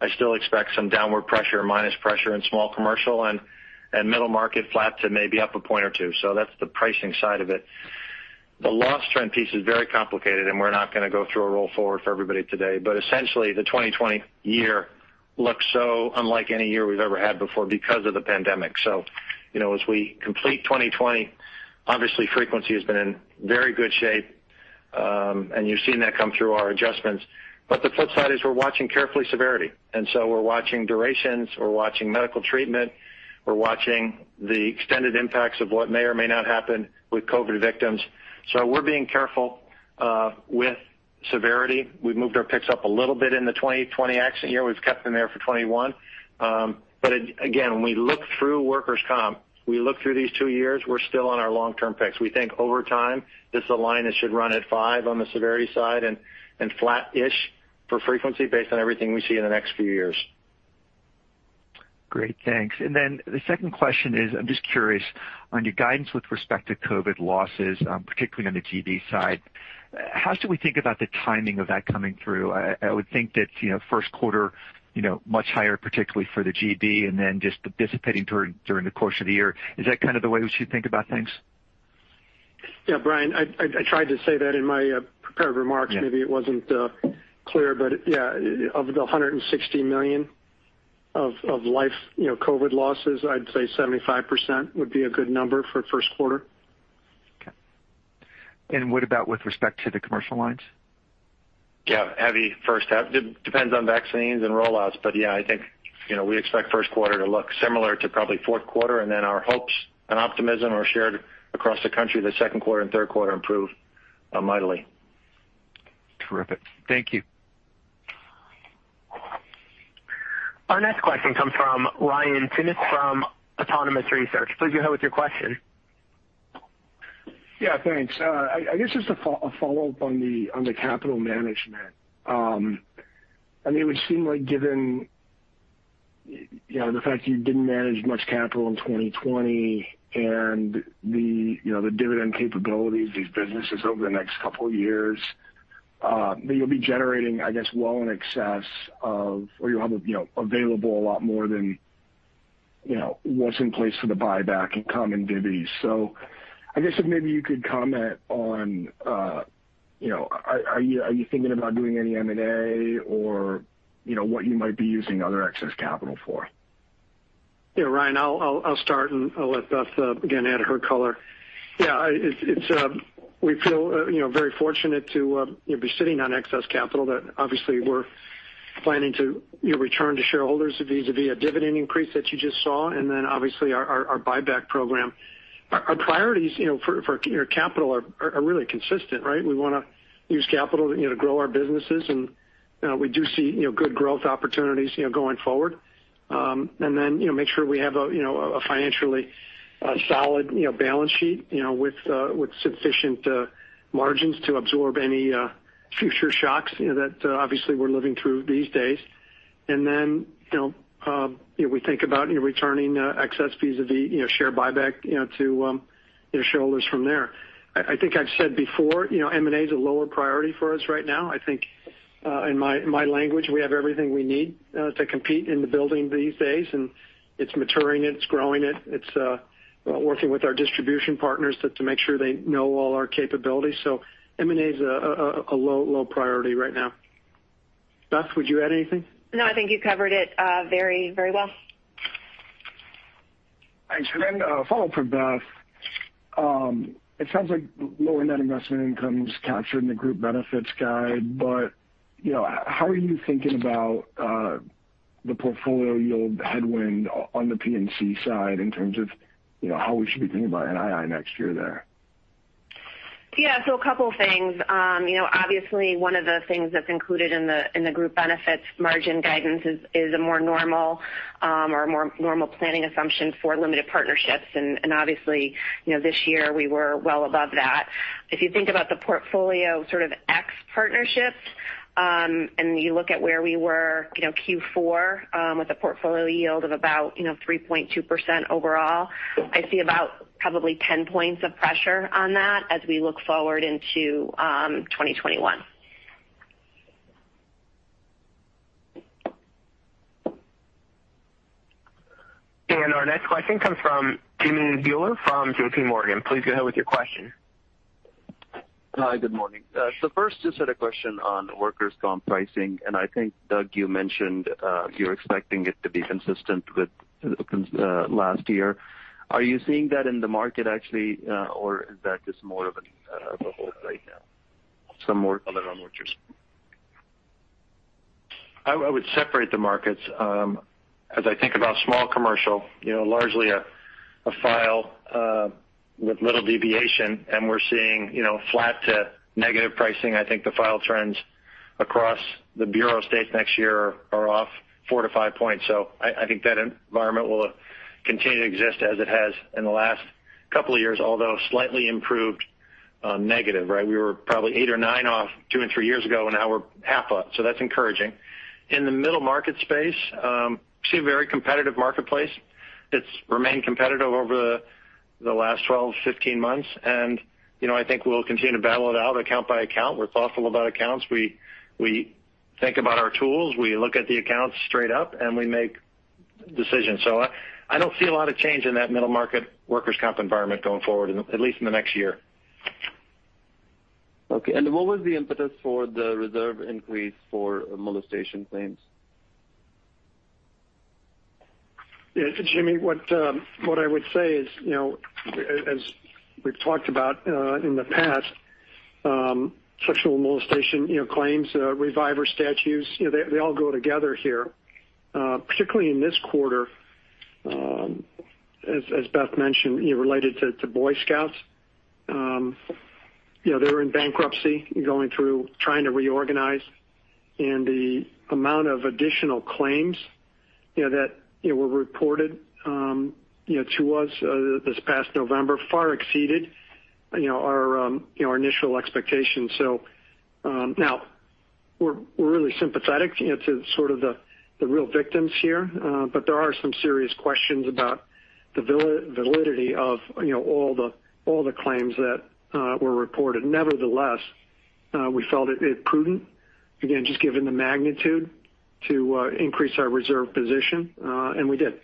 D: I still expect some downward pressure or minus pressure in small commercial and middle market, flat to maybe up a point or two. That's the pricing side of it. The loss trend piece is very complicated, and we're not going to go through a roll forward for everybody today. As we complete 2020, obviously frequency has been in very good shape, and you've seen that come through our adjustments. The flip side is we're watching carefully severity, and so we're watching durations, we're watching medical treatment, we're watching the extended impacts of what may or may not happen with COVID victims. We're being careful with severity. We've moved our picks up a little bit in the 2020 accident year. We've kept them there for 2021. Again, when we look through workers' comp, we look through these two years, we're still on our long-term picks. We think over time, this is a line that should run at five on the severity side and flat-ish for frequency based on everything we see in the next few years.
G: Great. Thanks. The second question is, I'm just curious, on your guidance with respect to COVID losses, particularly on the GB side, how should we think about the timing of that coming through? I would think that first quarter, much higher, particularly for the GB, and then just dissipating during the course of the year. Is that kind of the way we should think about things?
C: Yeah, Brian, I tried to say that in my prepared remarks.
G: Yeah.
C: Maybe it wasn't clear, but yeah. Of the $160 million of life COVID losses, I'd say 75% would be a good number for first quarter.
G: Okay. What about with respect to the commercial lines?
D: Yeah, heavy first half. Depends on vaccines and rollouts, but yeah, I think we expect first quarter to look similar to probably fourth quarter, and then our hopes and optimism are shared across the country that second quarter and third quarter improve mightily.
G: Terrific. Thank you.
A: Our next question comes from Ryan Tunis from Autonomous Research. Please go ahead with your question.
H: Yeah, thanks. I guess just a follow-up on the capital management. It would seem like given the fact you didn't manage much capital in 2020 and the dividend capabilities of these businesses over the next couple of years that you'll be generating, I guess well in excess of, or you'll have available a lot more than what's in place for the buyback and common divvy. I guess if maybe you could comment on, are you thinking about doing any M&A or what you might be using other excess capital for?
C: Ryan, I'll start, and I'll let Beth again add her color. We feel very fortunate to be sitting on excess capital that obviously we're planning to return to shareholders vis-a-vis a dividend increase that you just saw, and then obviously our buyback program. Our priorities for capital are really consistent, right? We want to use capital to grow our businesses, and we do see good growth opportunities going forward. Make sure we have a financially solid balance sheet with sufficient margins to absorb any future shocks that obviously we're living through these days. We think about returning excess vis-a-vis share buyback to shareholders from there. I think I've said before, M&A is a lower priority for us right now. I think, in my language, we have everything we need to compete in the building these days, and it's maturing it's growing it. It's working with our distribution partners to make sure they know all our capabilities. M&A is a low priority right now. Beth, would you add anything?
E: No, I think you covered it very well.
H: Thanks. A follow-up for Beth. It sounds like lower net investment income is captured in the Group Benefits guide. How are you thinking about the portfolio yield headwind on the P&C side in terms of how we should be thinking about NII next year there?
E: Yeah. A couple things. Obviously one of the things that's included in the Group Benefits margin guidance is a more normal or more normal planning assumption for limited partnerships. Obviously this year we were well above that. If you think about the portfolio sort of ex-partnerships, and you look at where we were Q4 with a portfolio yield of about 3.2% overall, I see about probably 10 points of pressure on that as we look forward into 2021.
A: Our next question comes from Jimmy Bhullar from J.P. Morgan. Please go ahead with your question.
I: Hi, good morning. First, just had a question on workers' comp pricing, and I think, Doug, you mentioned you're expecting it to be consistent with last year. Are you seeing that in the market actually or is that just more of a hope right now? Some more color on workers.
D: I would separate the markets. As I think about small commercial, largely a file with little deviation, and we're seeing flat to negative pricing. I think the file trends across the bureau state next year are off four to five points. I think that environment will continue to exist as it has in the last couple of years, although slightly improved negative, right? We were probably eight or nine off two and three years ago, now we're half up. That's encouraging. In the middle market space, see a very competitive marketplace. It's remained competitive over the last 12, 15 months, I think we'll continue to battle it out account by account. We're thoughtful about accounts. We think about our tools. We look at the accounts straight up, we make decisions. I don't see a lot of change in that middle market workers' comp environment going forward, at least in the next year.
I: Okay, what was the impetus for the reserve increase for molestation claims?
D: Jimmy, what I would say is, as we've talked about in the past, sexual molestation claims, reviver statutes, they all go together here. Particularly in this quarter, as Beth mentioned, related to Boy Scouts. They were in bankruptcy going through trying to reorganize, and the amount of additional claims that were reported to us this past November far exceeded our initial expectations. Now we're really sympathetic to sort of the real victims here. There are some serious questions about the validity of all the claims that were reported. Nevertheless, we felt it prudent, again, just given the magnitude, to increase our reserve position, and we did.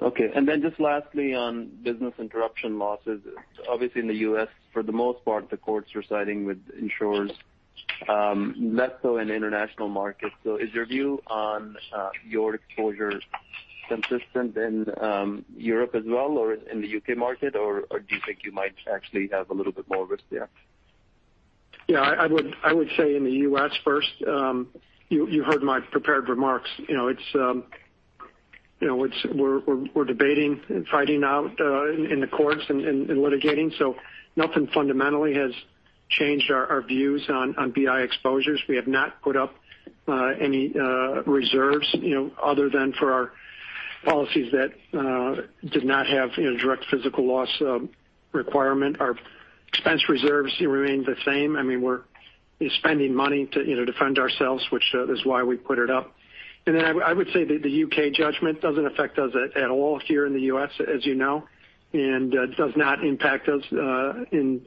I: Okay. Just lastly on business interruption losses, obviously in the U.S. for the most part, the courts are siding with insurers less so in international markets. Is your view on your exposure consistent in Europe as well or in the U.K. market, or do you think you might actually have a little bit more risk there?
C: Yeah, I would say in the U.S. first, you heard my prepared remarks. We're debating and fighting out in the courts and litigating. Nothing fundamentally has. Changed our views on BI exposures. We have not put up any reserves other than for our policies that did not have direct physical loss requirement. Our expense reserves remain the same. We're spending money to defend ourselves, which is why we put it up. I would say that the U.K. judgment doesn't affect us at all here in the U.S., as you know, and does not impact us in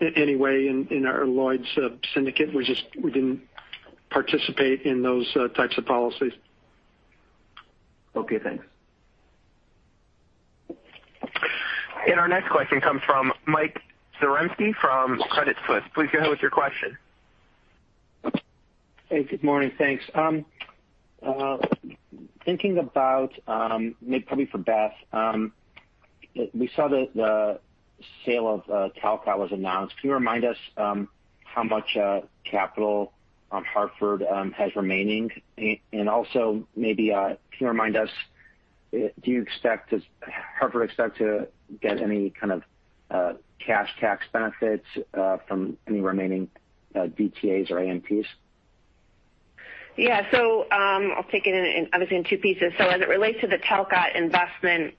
C: any way in our Lloyd's syndicate. We didn't participate in those types of policies.
I: Okay, thanks.
A: Our next question comes from Mike Zaremski from Credit Suisse. Please go ahead with your question.
J: Hey, good morning. Thanks. Thinking about, maybe probably for Beth. We saw that the sale of Talcott was announced. Can you remind us how much capital Hartford has remaining? Also maybe, can you remind us, does Hartford expect to get any kind of cash tax benefits from any remaining DTAs or AMT credits?
E: Yeah. I'll take it in, obviously in two pieces. As it relates to the Talcott investment,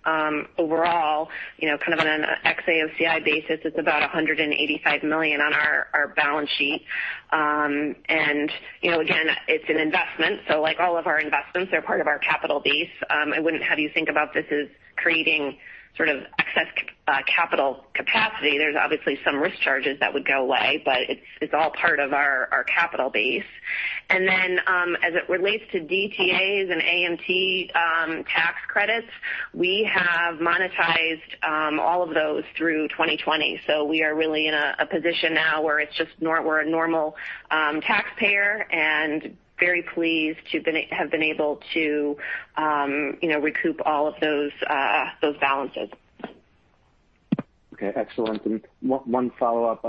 E: overall, kind of on an ex-AOCI basis, it's about $185 million on our balance sheet. Again, it's an investment, like all of our investments, they're part of our capital base. I wouldn't have you think about this as creating sort of excess capital capacity. There's obviously some risk charges that would go away, but it's all part of our capital base. As it relates to DTAs and AMT tax credits, we have monetized all of those through 2020. We are really in a position now where it's just we're a normal taxpayer and very pleased to have been able to recoup all of those balances.
J: Okay, excellent. One follow-up.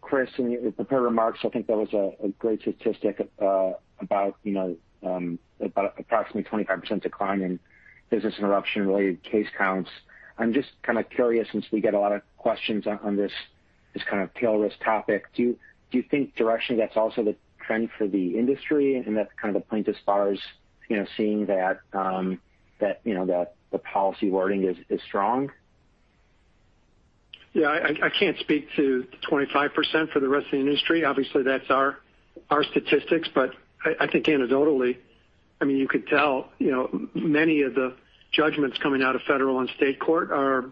J: Chris, in the prepared remarks, I think there was a great statistic about approximately 25% decline in business interruption-related case counts. I'm just kind of curious, since we get a lot of questions on this kind of tail risk topic, do you think directionally that's also the trend for the industry? That's kind of the point as far as seeing that the policy wording is strong?
C: I can't speak to the 25% for the rest of the industry. Obviously, that's our statistics, but I think anecdotally, you could tell, many of the judgments coming out of federal and state court are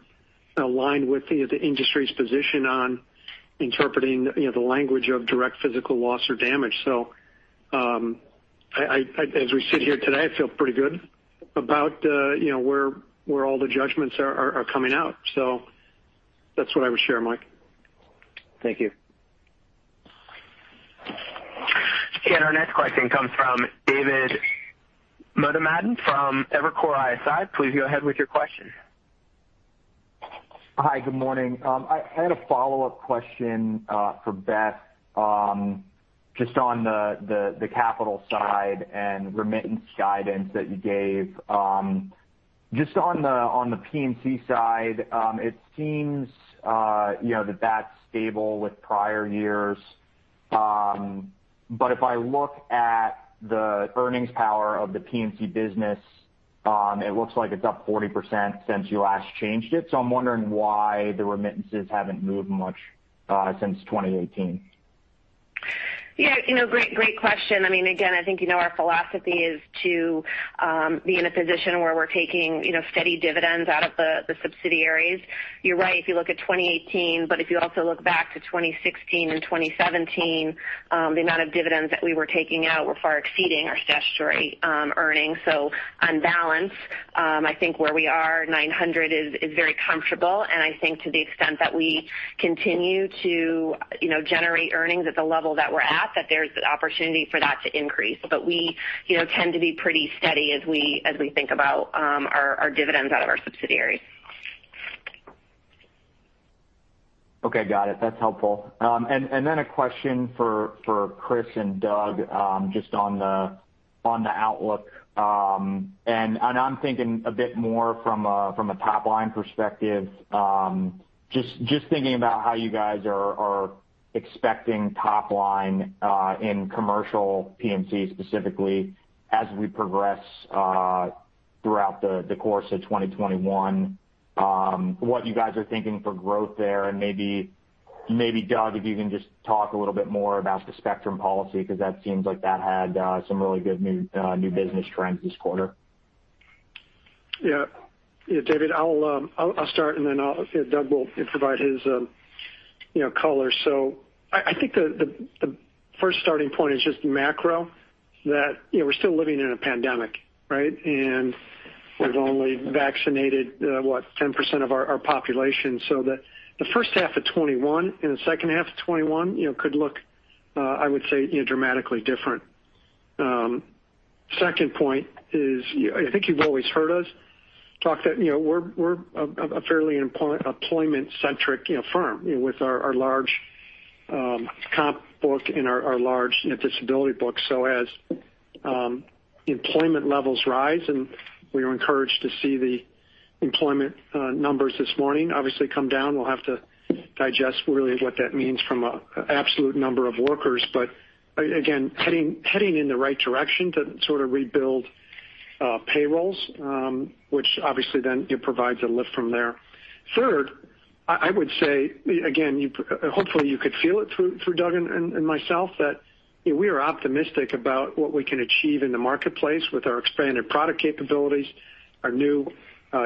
C: aligned with the industry's position on interpreting the language of direct physical loss or damage. As we sit here today, I feel pretty good about where all the judgments are coming out. That's what I would share, Mike.
J: Thank you.
A: Our next question comes from David Motemaden from Evercore ISI. Please go ahead with your question.
K: Hi, good morning. I had a follow-up question for Beth, just on the capital side and remittance guidance that you gave. Just on the P&C side, it seems that that's stable with prior years. If I look at the earnings power of the P&C business, it looks like it's up 40% since you last changed it. I'm wondering why the remittances haven't moved much since 2018.
E: Yeah. Great question. Again, I think you know our philosophy is to be in a position where we're taking steady dividends out of the subsidiaries. You're right if you look at 2018, if you also look back to 2016 and 2017, the amount of dividends that we were taking out were far exceeding our statutory earnings. On balance, I think where we are, 900 is very comfortable, and I think to the extent that we continue to generate earnings at the level that we're at, that there's opportunity for that to increase. We tend to be pretty steady as we think about our dividends out of our subsidiaries.
K: Okay, got it. That's helpful. Then a question for Chris and Doug, just on the outlook. I'm thinking a bit more from a top-line perspective. Just thinking about how you guys are expecting top line in commercial P&C specifically as we progress throughout the course of 2021. What you guys are thinking for growth there, and maybe, Doug, if you can just talk a little bit more about the Spectrum policy, because that seems like that had some really good new business trends this quarter.
C: David, I'll start, and then Doug will provide his color. I think the first starting point is just macro, that we're still living in a pandemic, right? We've only vaccinated, what, 10% of our population. The first half of 2021 and the second half of 2021 could look, I would say, dramatically different. Second point is, I think you've always heard us talk that we're a fairly employment-centric firm with our large comp book and our large disability book. As employment levels rise, and we are encouraged to see the employment numbers this morning obviously come down. We'll have to digest really what that means from an absolute number of workers. Again, heading in the right direction to sort of rebuild payrolls, which obviously then it provides a lift from there. Third, I would say, again, hopefully you could feel it through Doug and myself, that we are optimistic about what we can achieve in the marketplace with our expanded product capabilities, our new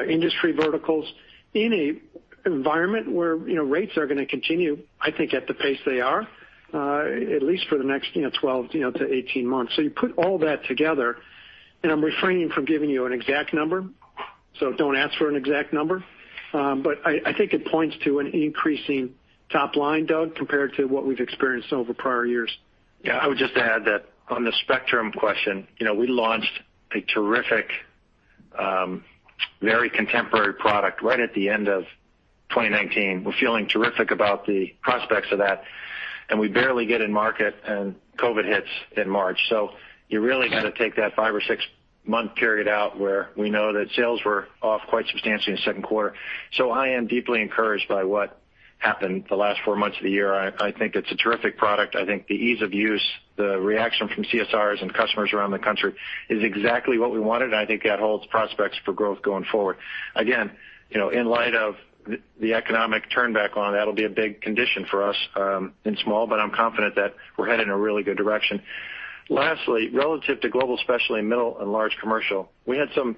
C: industry verticals in an environment where rates are going to continue, I think at the pace they are, at least for the next 12 to 18 months. You put all that together, and I'm refraining from giving you an exact number, so don't ask for an exact number. I think it points to an increasing top line, Doug, compared to what we've experienced over prior years.
D: Yeah, I would just add that on the Spectrum question, we launched a terrific, very contemporary product right at the end of 2019. We're feeling terrific about the prospects of that, and we barely get in market and COVID hits in March. You really got to take that five or six-month period out where we know that sales were off quite substantially in the second quarter. I am deeply encouraged by what happened the last four months of the year. I think it's a terrific product. I think the ease of use, the reaction from CSRs and customers around the country is exactly what we wanted. I think that holds prospects for growth going forward. Again, in light of the economic turn back on, that'll be a big condition for us in small, but I'm confident that we're headed in a really good direction. Lastly, relative to Global Specialty, middle, and large commercial, we had some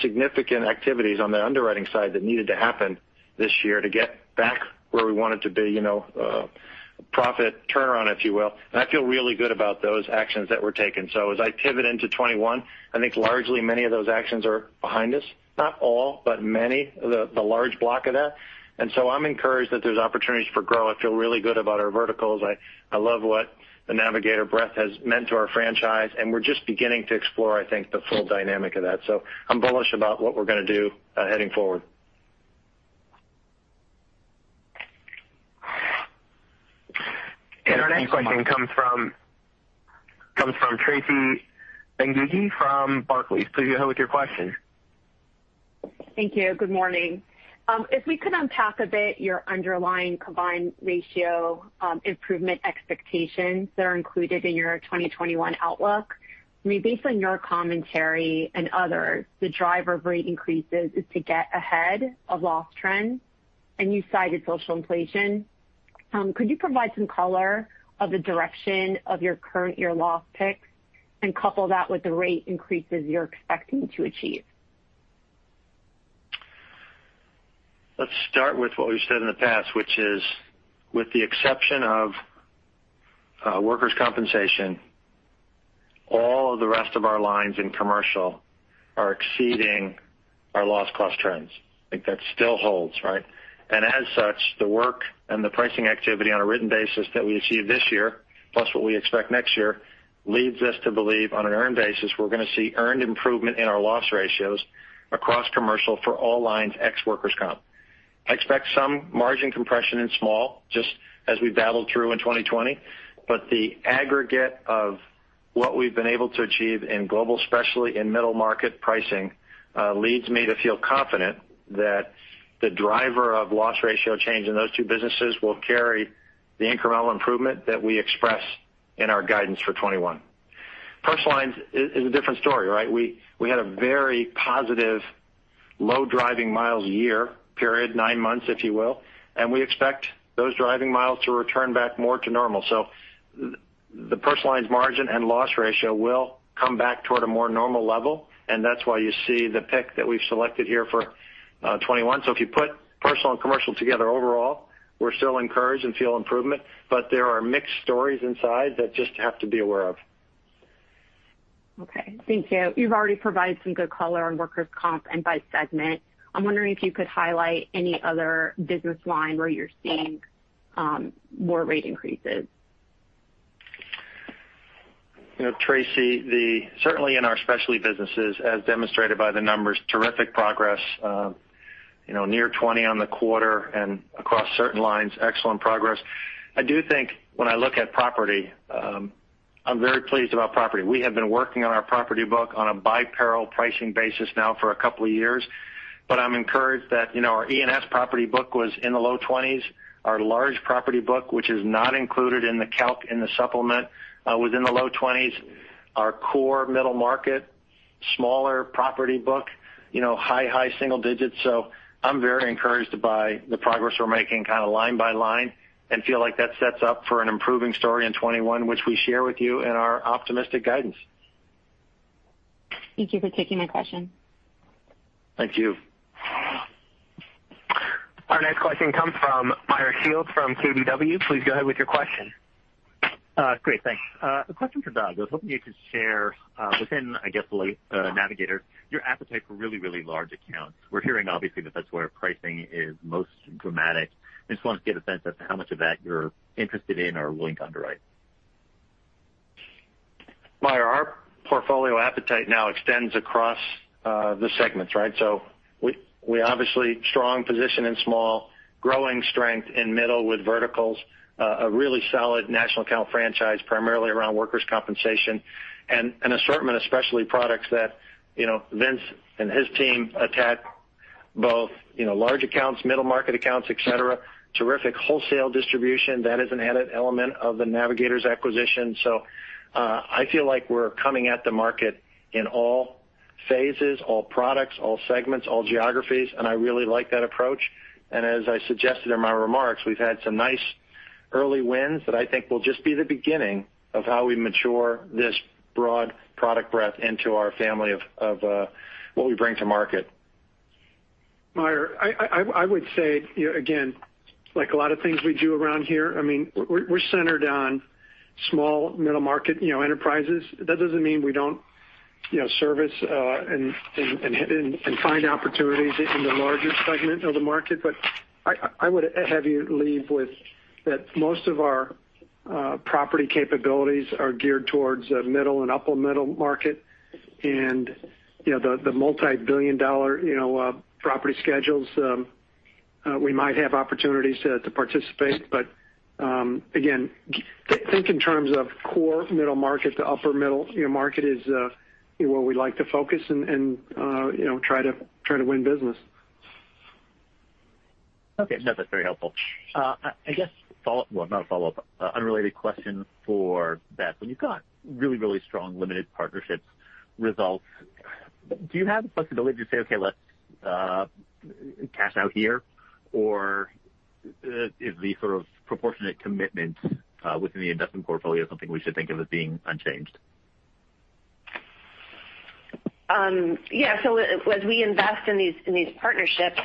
D: significant activities on the underwriting side that needed to happen this year to get back where we wanted to be, profit turnaround, if you will, and I feel really good about those actions that were taken. As I pivot into 2021, I think largely many of those actions are behind us. Not all, but many, the large block of that. I'm encouraged that there's opportunities for growth. I feel really good about our verticals. I love what the Navigators breadth has meant to our franchise, and we're just beginning to explore, I think, the full dynamic of that. I'm bullish about what we're going to do heading forward.
A: Our next question comes from Tracy Dolin-Benguigui from Barclays. Please go ahead with your question.
L: Thank you. Good morning. If we could unpack a bit your underlying combined ratio improvement expectations that are included in your 2021 outlook. Based on your commentary and others, the driver of rate increases is to get ahead of loss trends, and you cited social inflation. Could you provide some color of the direction of your current year loss picks and couple that with the rate increases you're expecting to achieve?
D: Let's start with what we've said in the past, which is, with the exception of workers' compensation, all of the rest of our lines in commercial are exceeding our loss cost trends. I think that still holds, right? As such, the work and the pricing activity on a written basis that we achieve this year, plus what we expect next year, leads us to believe on an earned basis, we're going to see earned improvement in our loss ratios across commercial for all lines, ex-workers' comp. Expect some margin compression in small, just as we battled through in 2020. The aggregate of what we've been able to achieve in Global Specialty and Middle Market pricing leads me to feel confident that the driver of loss ratio change in those two businesses will carry the incremental improvement that we express in our guidance for 2021. Personal lines is a different story, right? We had a very positive low driving miles a year period, nine months, if you will, and we expect those driving miles to return back more to normal. The personal lines margin and loss ratio will come back toward a more normal level, and that's why you see the pick that we've selected here for 2021. If you put personal and commercial together overall, we're still encouraged and feel improvement, but there are mixed stories inside that just have to be aware of.
L: Okay. Thank you. You've already provided some good color on workers' comp and by segment. I'm wondering if you could highlight any other business line where you're seeing more rate increases.
D: Tracy, certainly in our specialty businesses, as demonstrated by the numbers, terrific progress, near 20 on the quarter and across certain lines, excellent progress. I do think when I look at property, I'm very pleased about property. We have been working on our property book on a by peril pricing basis now for a couple of years. I'm encouraged that our E&S property book was in the low 20s. Our large property book, which is not included in the calc in the supplement, was in the low 20s. Our core middle market, smaller property book, high single digits. I'm very encouraged by the progress we're making kind of line by line and feel like that sets up for an improving story in 2021, which we share with you in our optimistic guidance.
L: Thank you for taking my question.
D: Thank you.
A: Our next question comes from Meyer Shields from KBW. Please go ahead with your question.
M: Great. Thanks. A question for Doug. I was hoping you could share within, I guess, the Navigators, your appetite for really large accounts. We're hearing, obviously, that that's where pricing is most dramatic. I just wanted to get a sense as to how much of that you're interested in or willing to underwrite.
D: Meyer, our portfolio appetite now extends across the segments, right? We obviously strong position in small, growing strength in middle with verticals, a really solid national account franchise, primarily around workers' compensation, and an assortment of specialty products that Vince and his team attack both large accounts, middle market accounts, et cetera. Terrific wholesale distribution, that is an added element of the Navigators acquisition. I feel like we're coming at the market in all phases, all products, all segments, all geographies, and I really like that approach. As I suggested in my remarks, we've had some nice early wins that I think will just be the beginning of how we mature this broad product breadth into our family of what we bring to market.
C: Meyer, I would say, again, like a lot of things we do around here, we're centered on small middle market enterprises. That doesn't mean we don't service and find opportunities in the larger segment of the market. I would have you leave with that most of our property capabilities are geared towards middle and upper middle market, and the multi-billion dollar property schedules, we might have opportunities to participate. Again, think in terms of core middle market to upper middle market is where we like to focus and try to win business.
M: Okay. No, that's very helpful. I guess not a follow-up, unrelated question for Beth. When you've got really strong limited partnerships results, do you have the flexibility to say, okay, let's cash out here, or is the sort of proportionate commitment within the investment portfolio something we should think of as being unchanged?
E: Yeah. As we invest in these partnerships,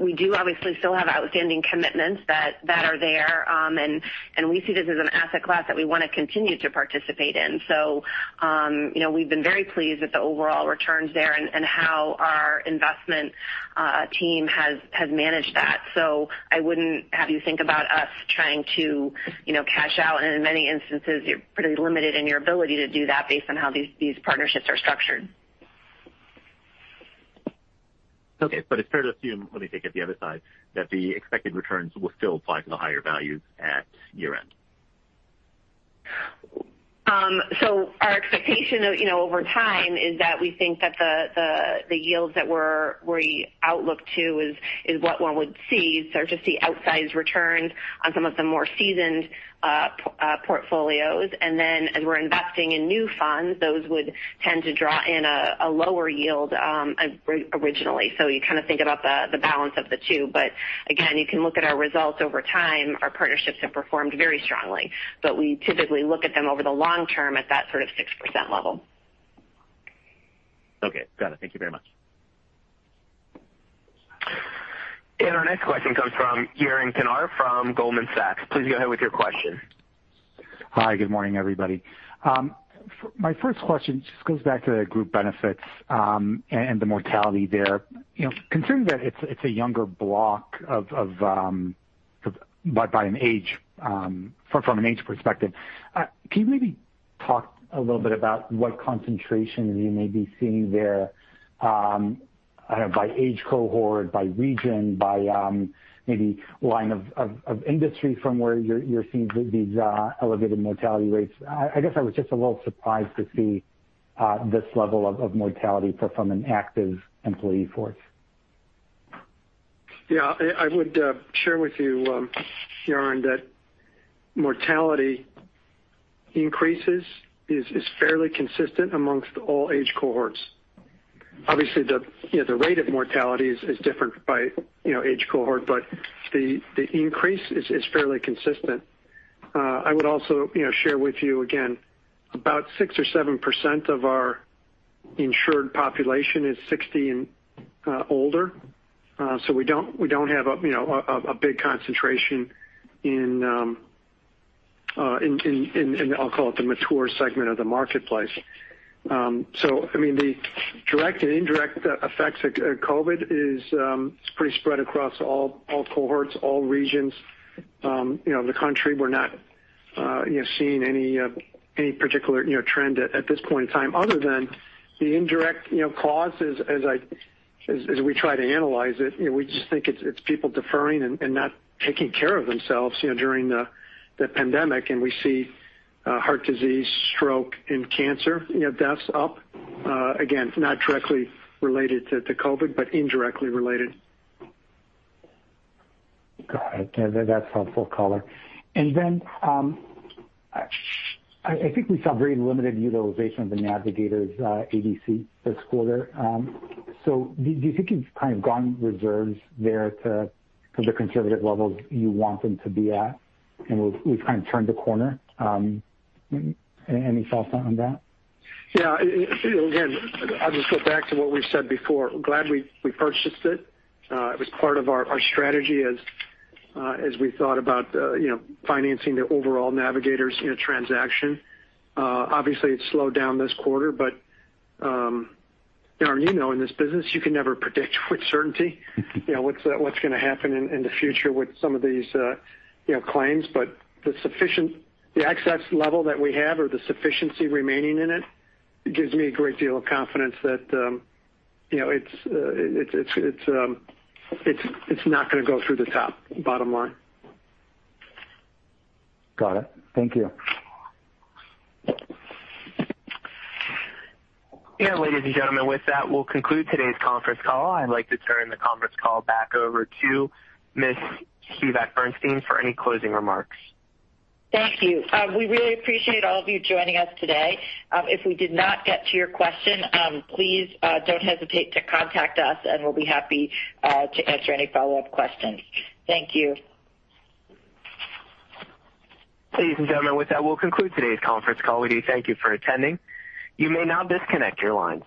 E: we do obviously still have outstanding commitments that are there, and we see this as an asset class that we want to continue to participate in. We've been very pleased with the overall returns there and how our investment team has managed that. I wouldn't have you think about us trying to cash out. In many instances, you're pretty limited in your ability to do that based on how these partnerships are structured.
M: Okay, it's fair to assume, let me take it the other side, that the expected returns will still apply to the higher values at year end?
E: Our expectation over time is that we think that the yields that we're outlook to is what one would see. Just the outsized returns on some of the more seasoned portfolios. As we're investing in new funds, those would tend to draw in a lower yield originally. You kind of think about the balance of the two. Again, you can look at our results over time. Our partnerships have performed very strongly, but we typically look at them over the long term at that sort of 6% level.
M: Okay. Got it. Thank you very much.
A: Our next question comes from Yaron Kinar from Goldman Sachs. Please go ahead with your question.
N: Hi, good morning, everybody. My first question just goes back to the Group Benefits, and the mortality there. Considering that it's a younger block from an age perspective, can you maybe talk a little bit about what concentration you may be seeing there, by age cohort, by region, by maybe line of industry from where you're seeing these elevated mortality rates? I guess I was just a little surprised to see this level of mortality from an active employee force.
C: Yeah. I would share with you, Yaron, that mortality increases is fairly consistent amongst all age cohorts. Obviously, the rate of mortality is different by age cohort, but the increase is fairly consistent. I would also share with you again, about 6% or 7% of our insured population is 60 and older. We don't have a big concentration in, I'll call it the mature segment of the marketplace. The direct and indirect effects of COVID is pretty spread across all cohorts, all regions of the country. We're not seeing any particular trend at this point in time other than the indirect causes as we try to analyze it. We just think it's people deferring and not taking care of themselves during the pandemic. We see heart disease, stroke, and cancer deaths up. Again, not directly related to COVID, but indirectly related.
N: Got it. That's helpful color. I think we saw very limited utilization of the Navigators ADC this quarter. Do you think you've kind of gone reserves there to the conservative levels you want them to be at, and we've kind of turned the corner? Any thoughts on that?
C: Yeah. Again, I'll just go back to what we said before. Glad we purchased it. It was part of our strategy as we thought about financing the overall Navigators transaction. Obviously, it slowed down this quarter, but, Yaron, you know in this business, you can never predict with certainty what's going to happen in the future with some of these claims. The access level that we have or the sufficiency remaining in it, gives me a great deal of confidence that it's not going to go through the top, bottom line.
N: Got it. Thank you.
A: Ladies and gentlemen, with that, we'll conclude today's conference call. I'd like to turn the conference call back over to Ms. Susan Spivak for any closing remarks.
B: Thank you. We really appreciate all of you joining us today. If we did not get to your question, please don't hesitate to contact us and we'll be happy to answer any follow-up questions. Thank you.
A: Ladies and gentlemen, with that, we'll conclude today's conference call. We do thank you for attending. You may now disconnect your lines.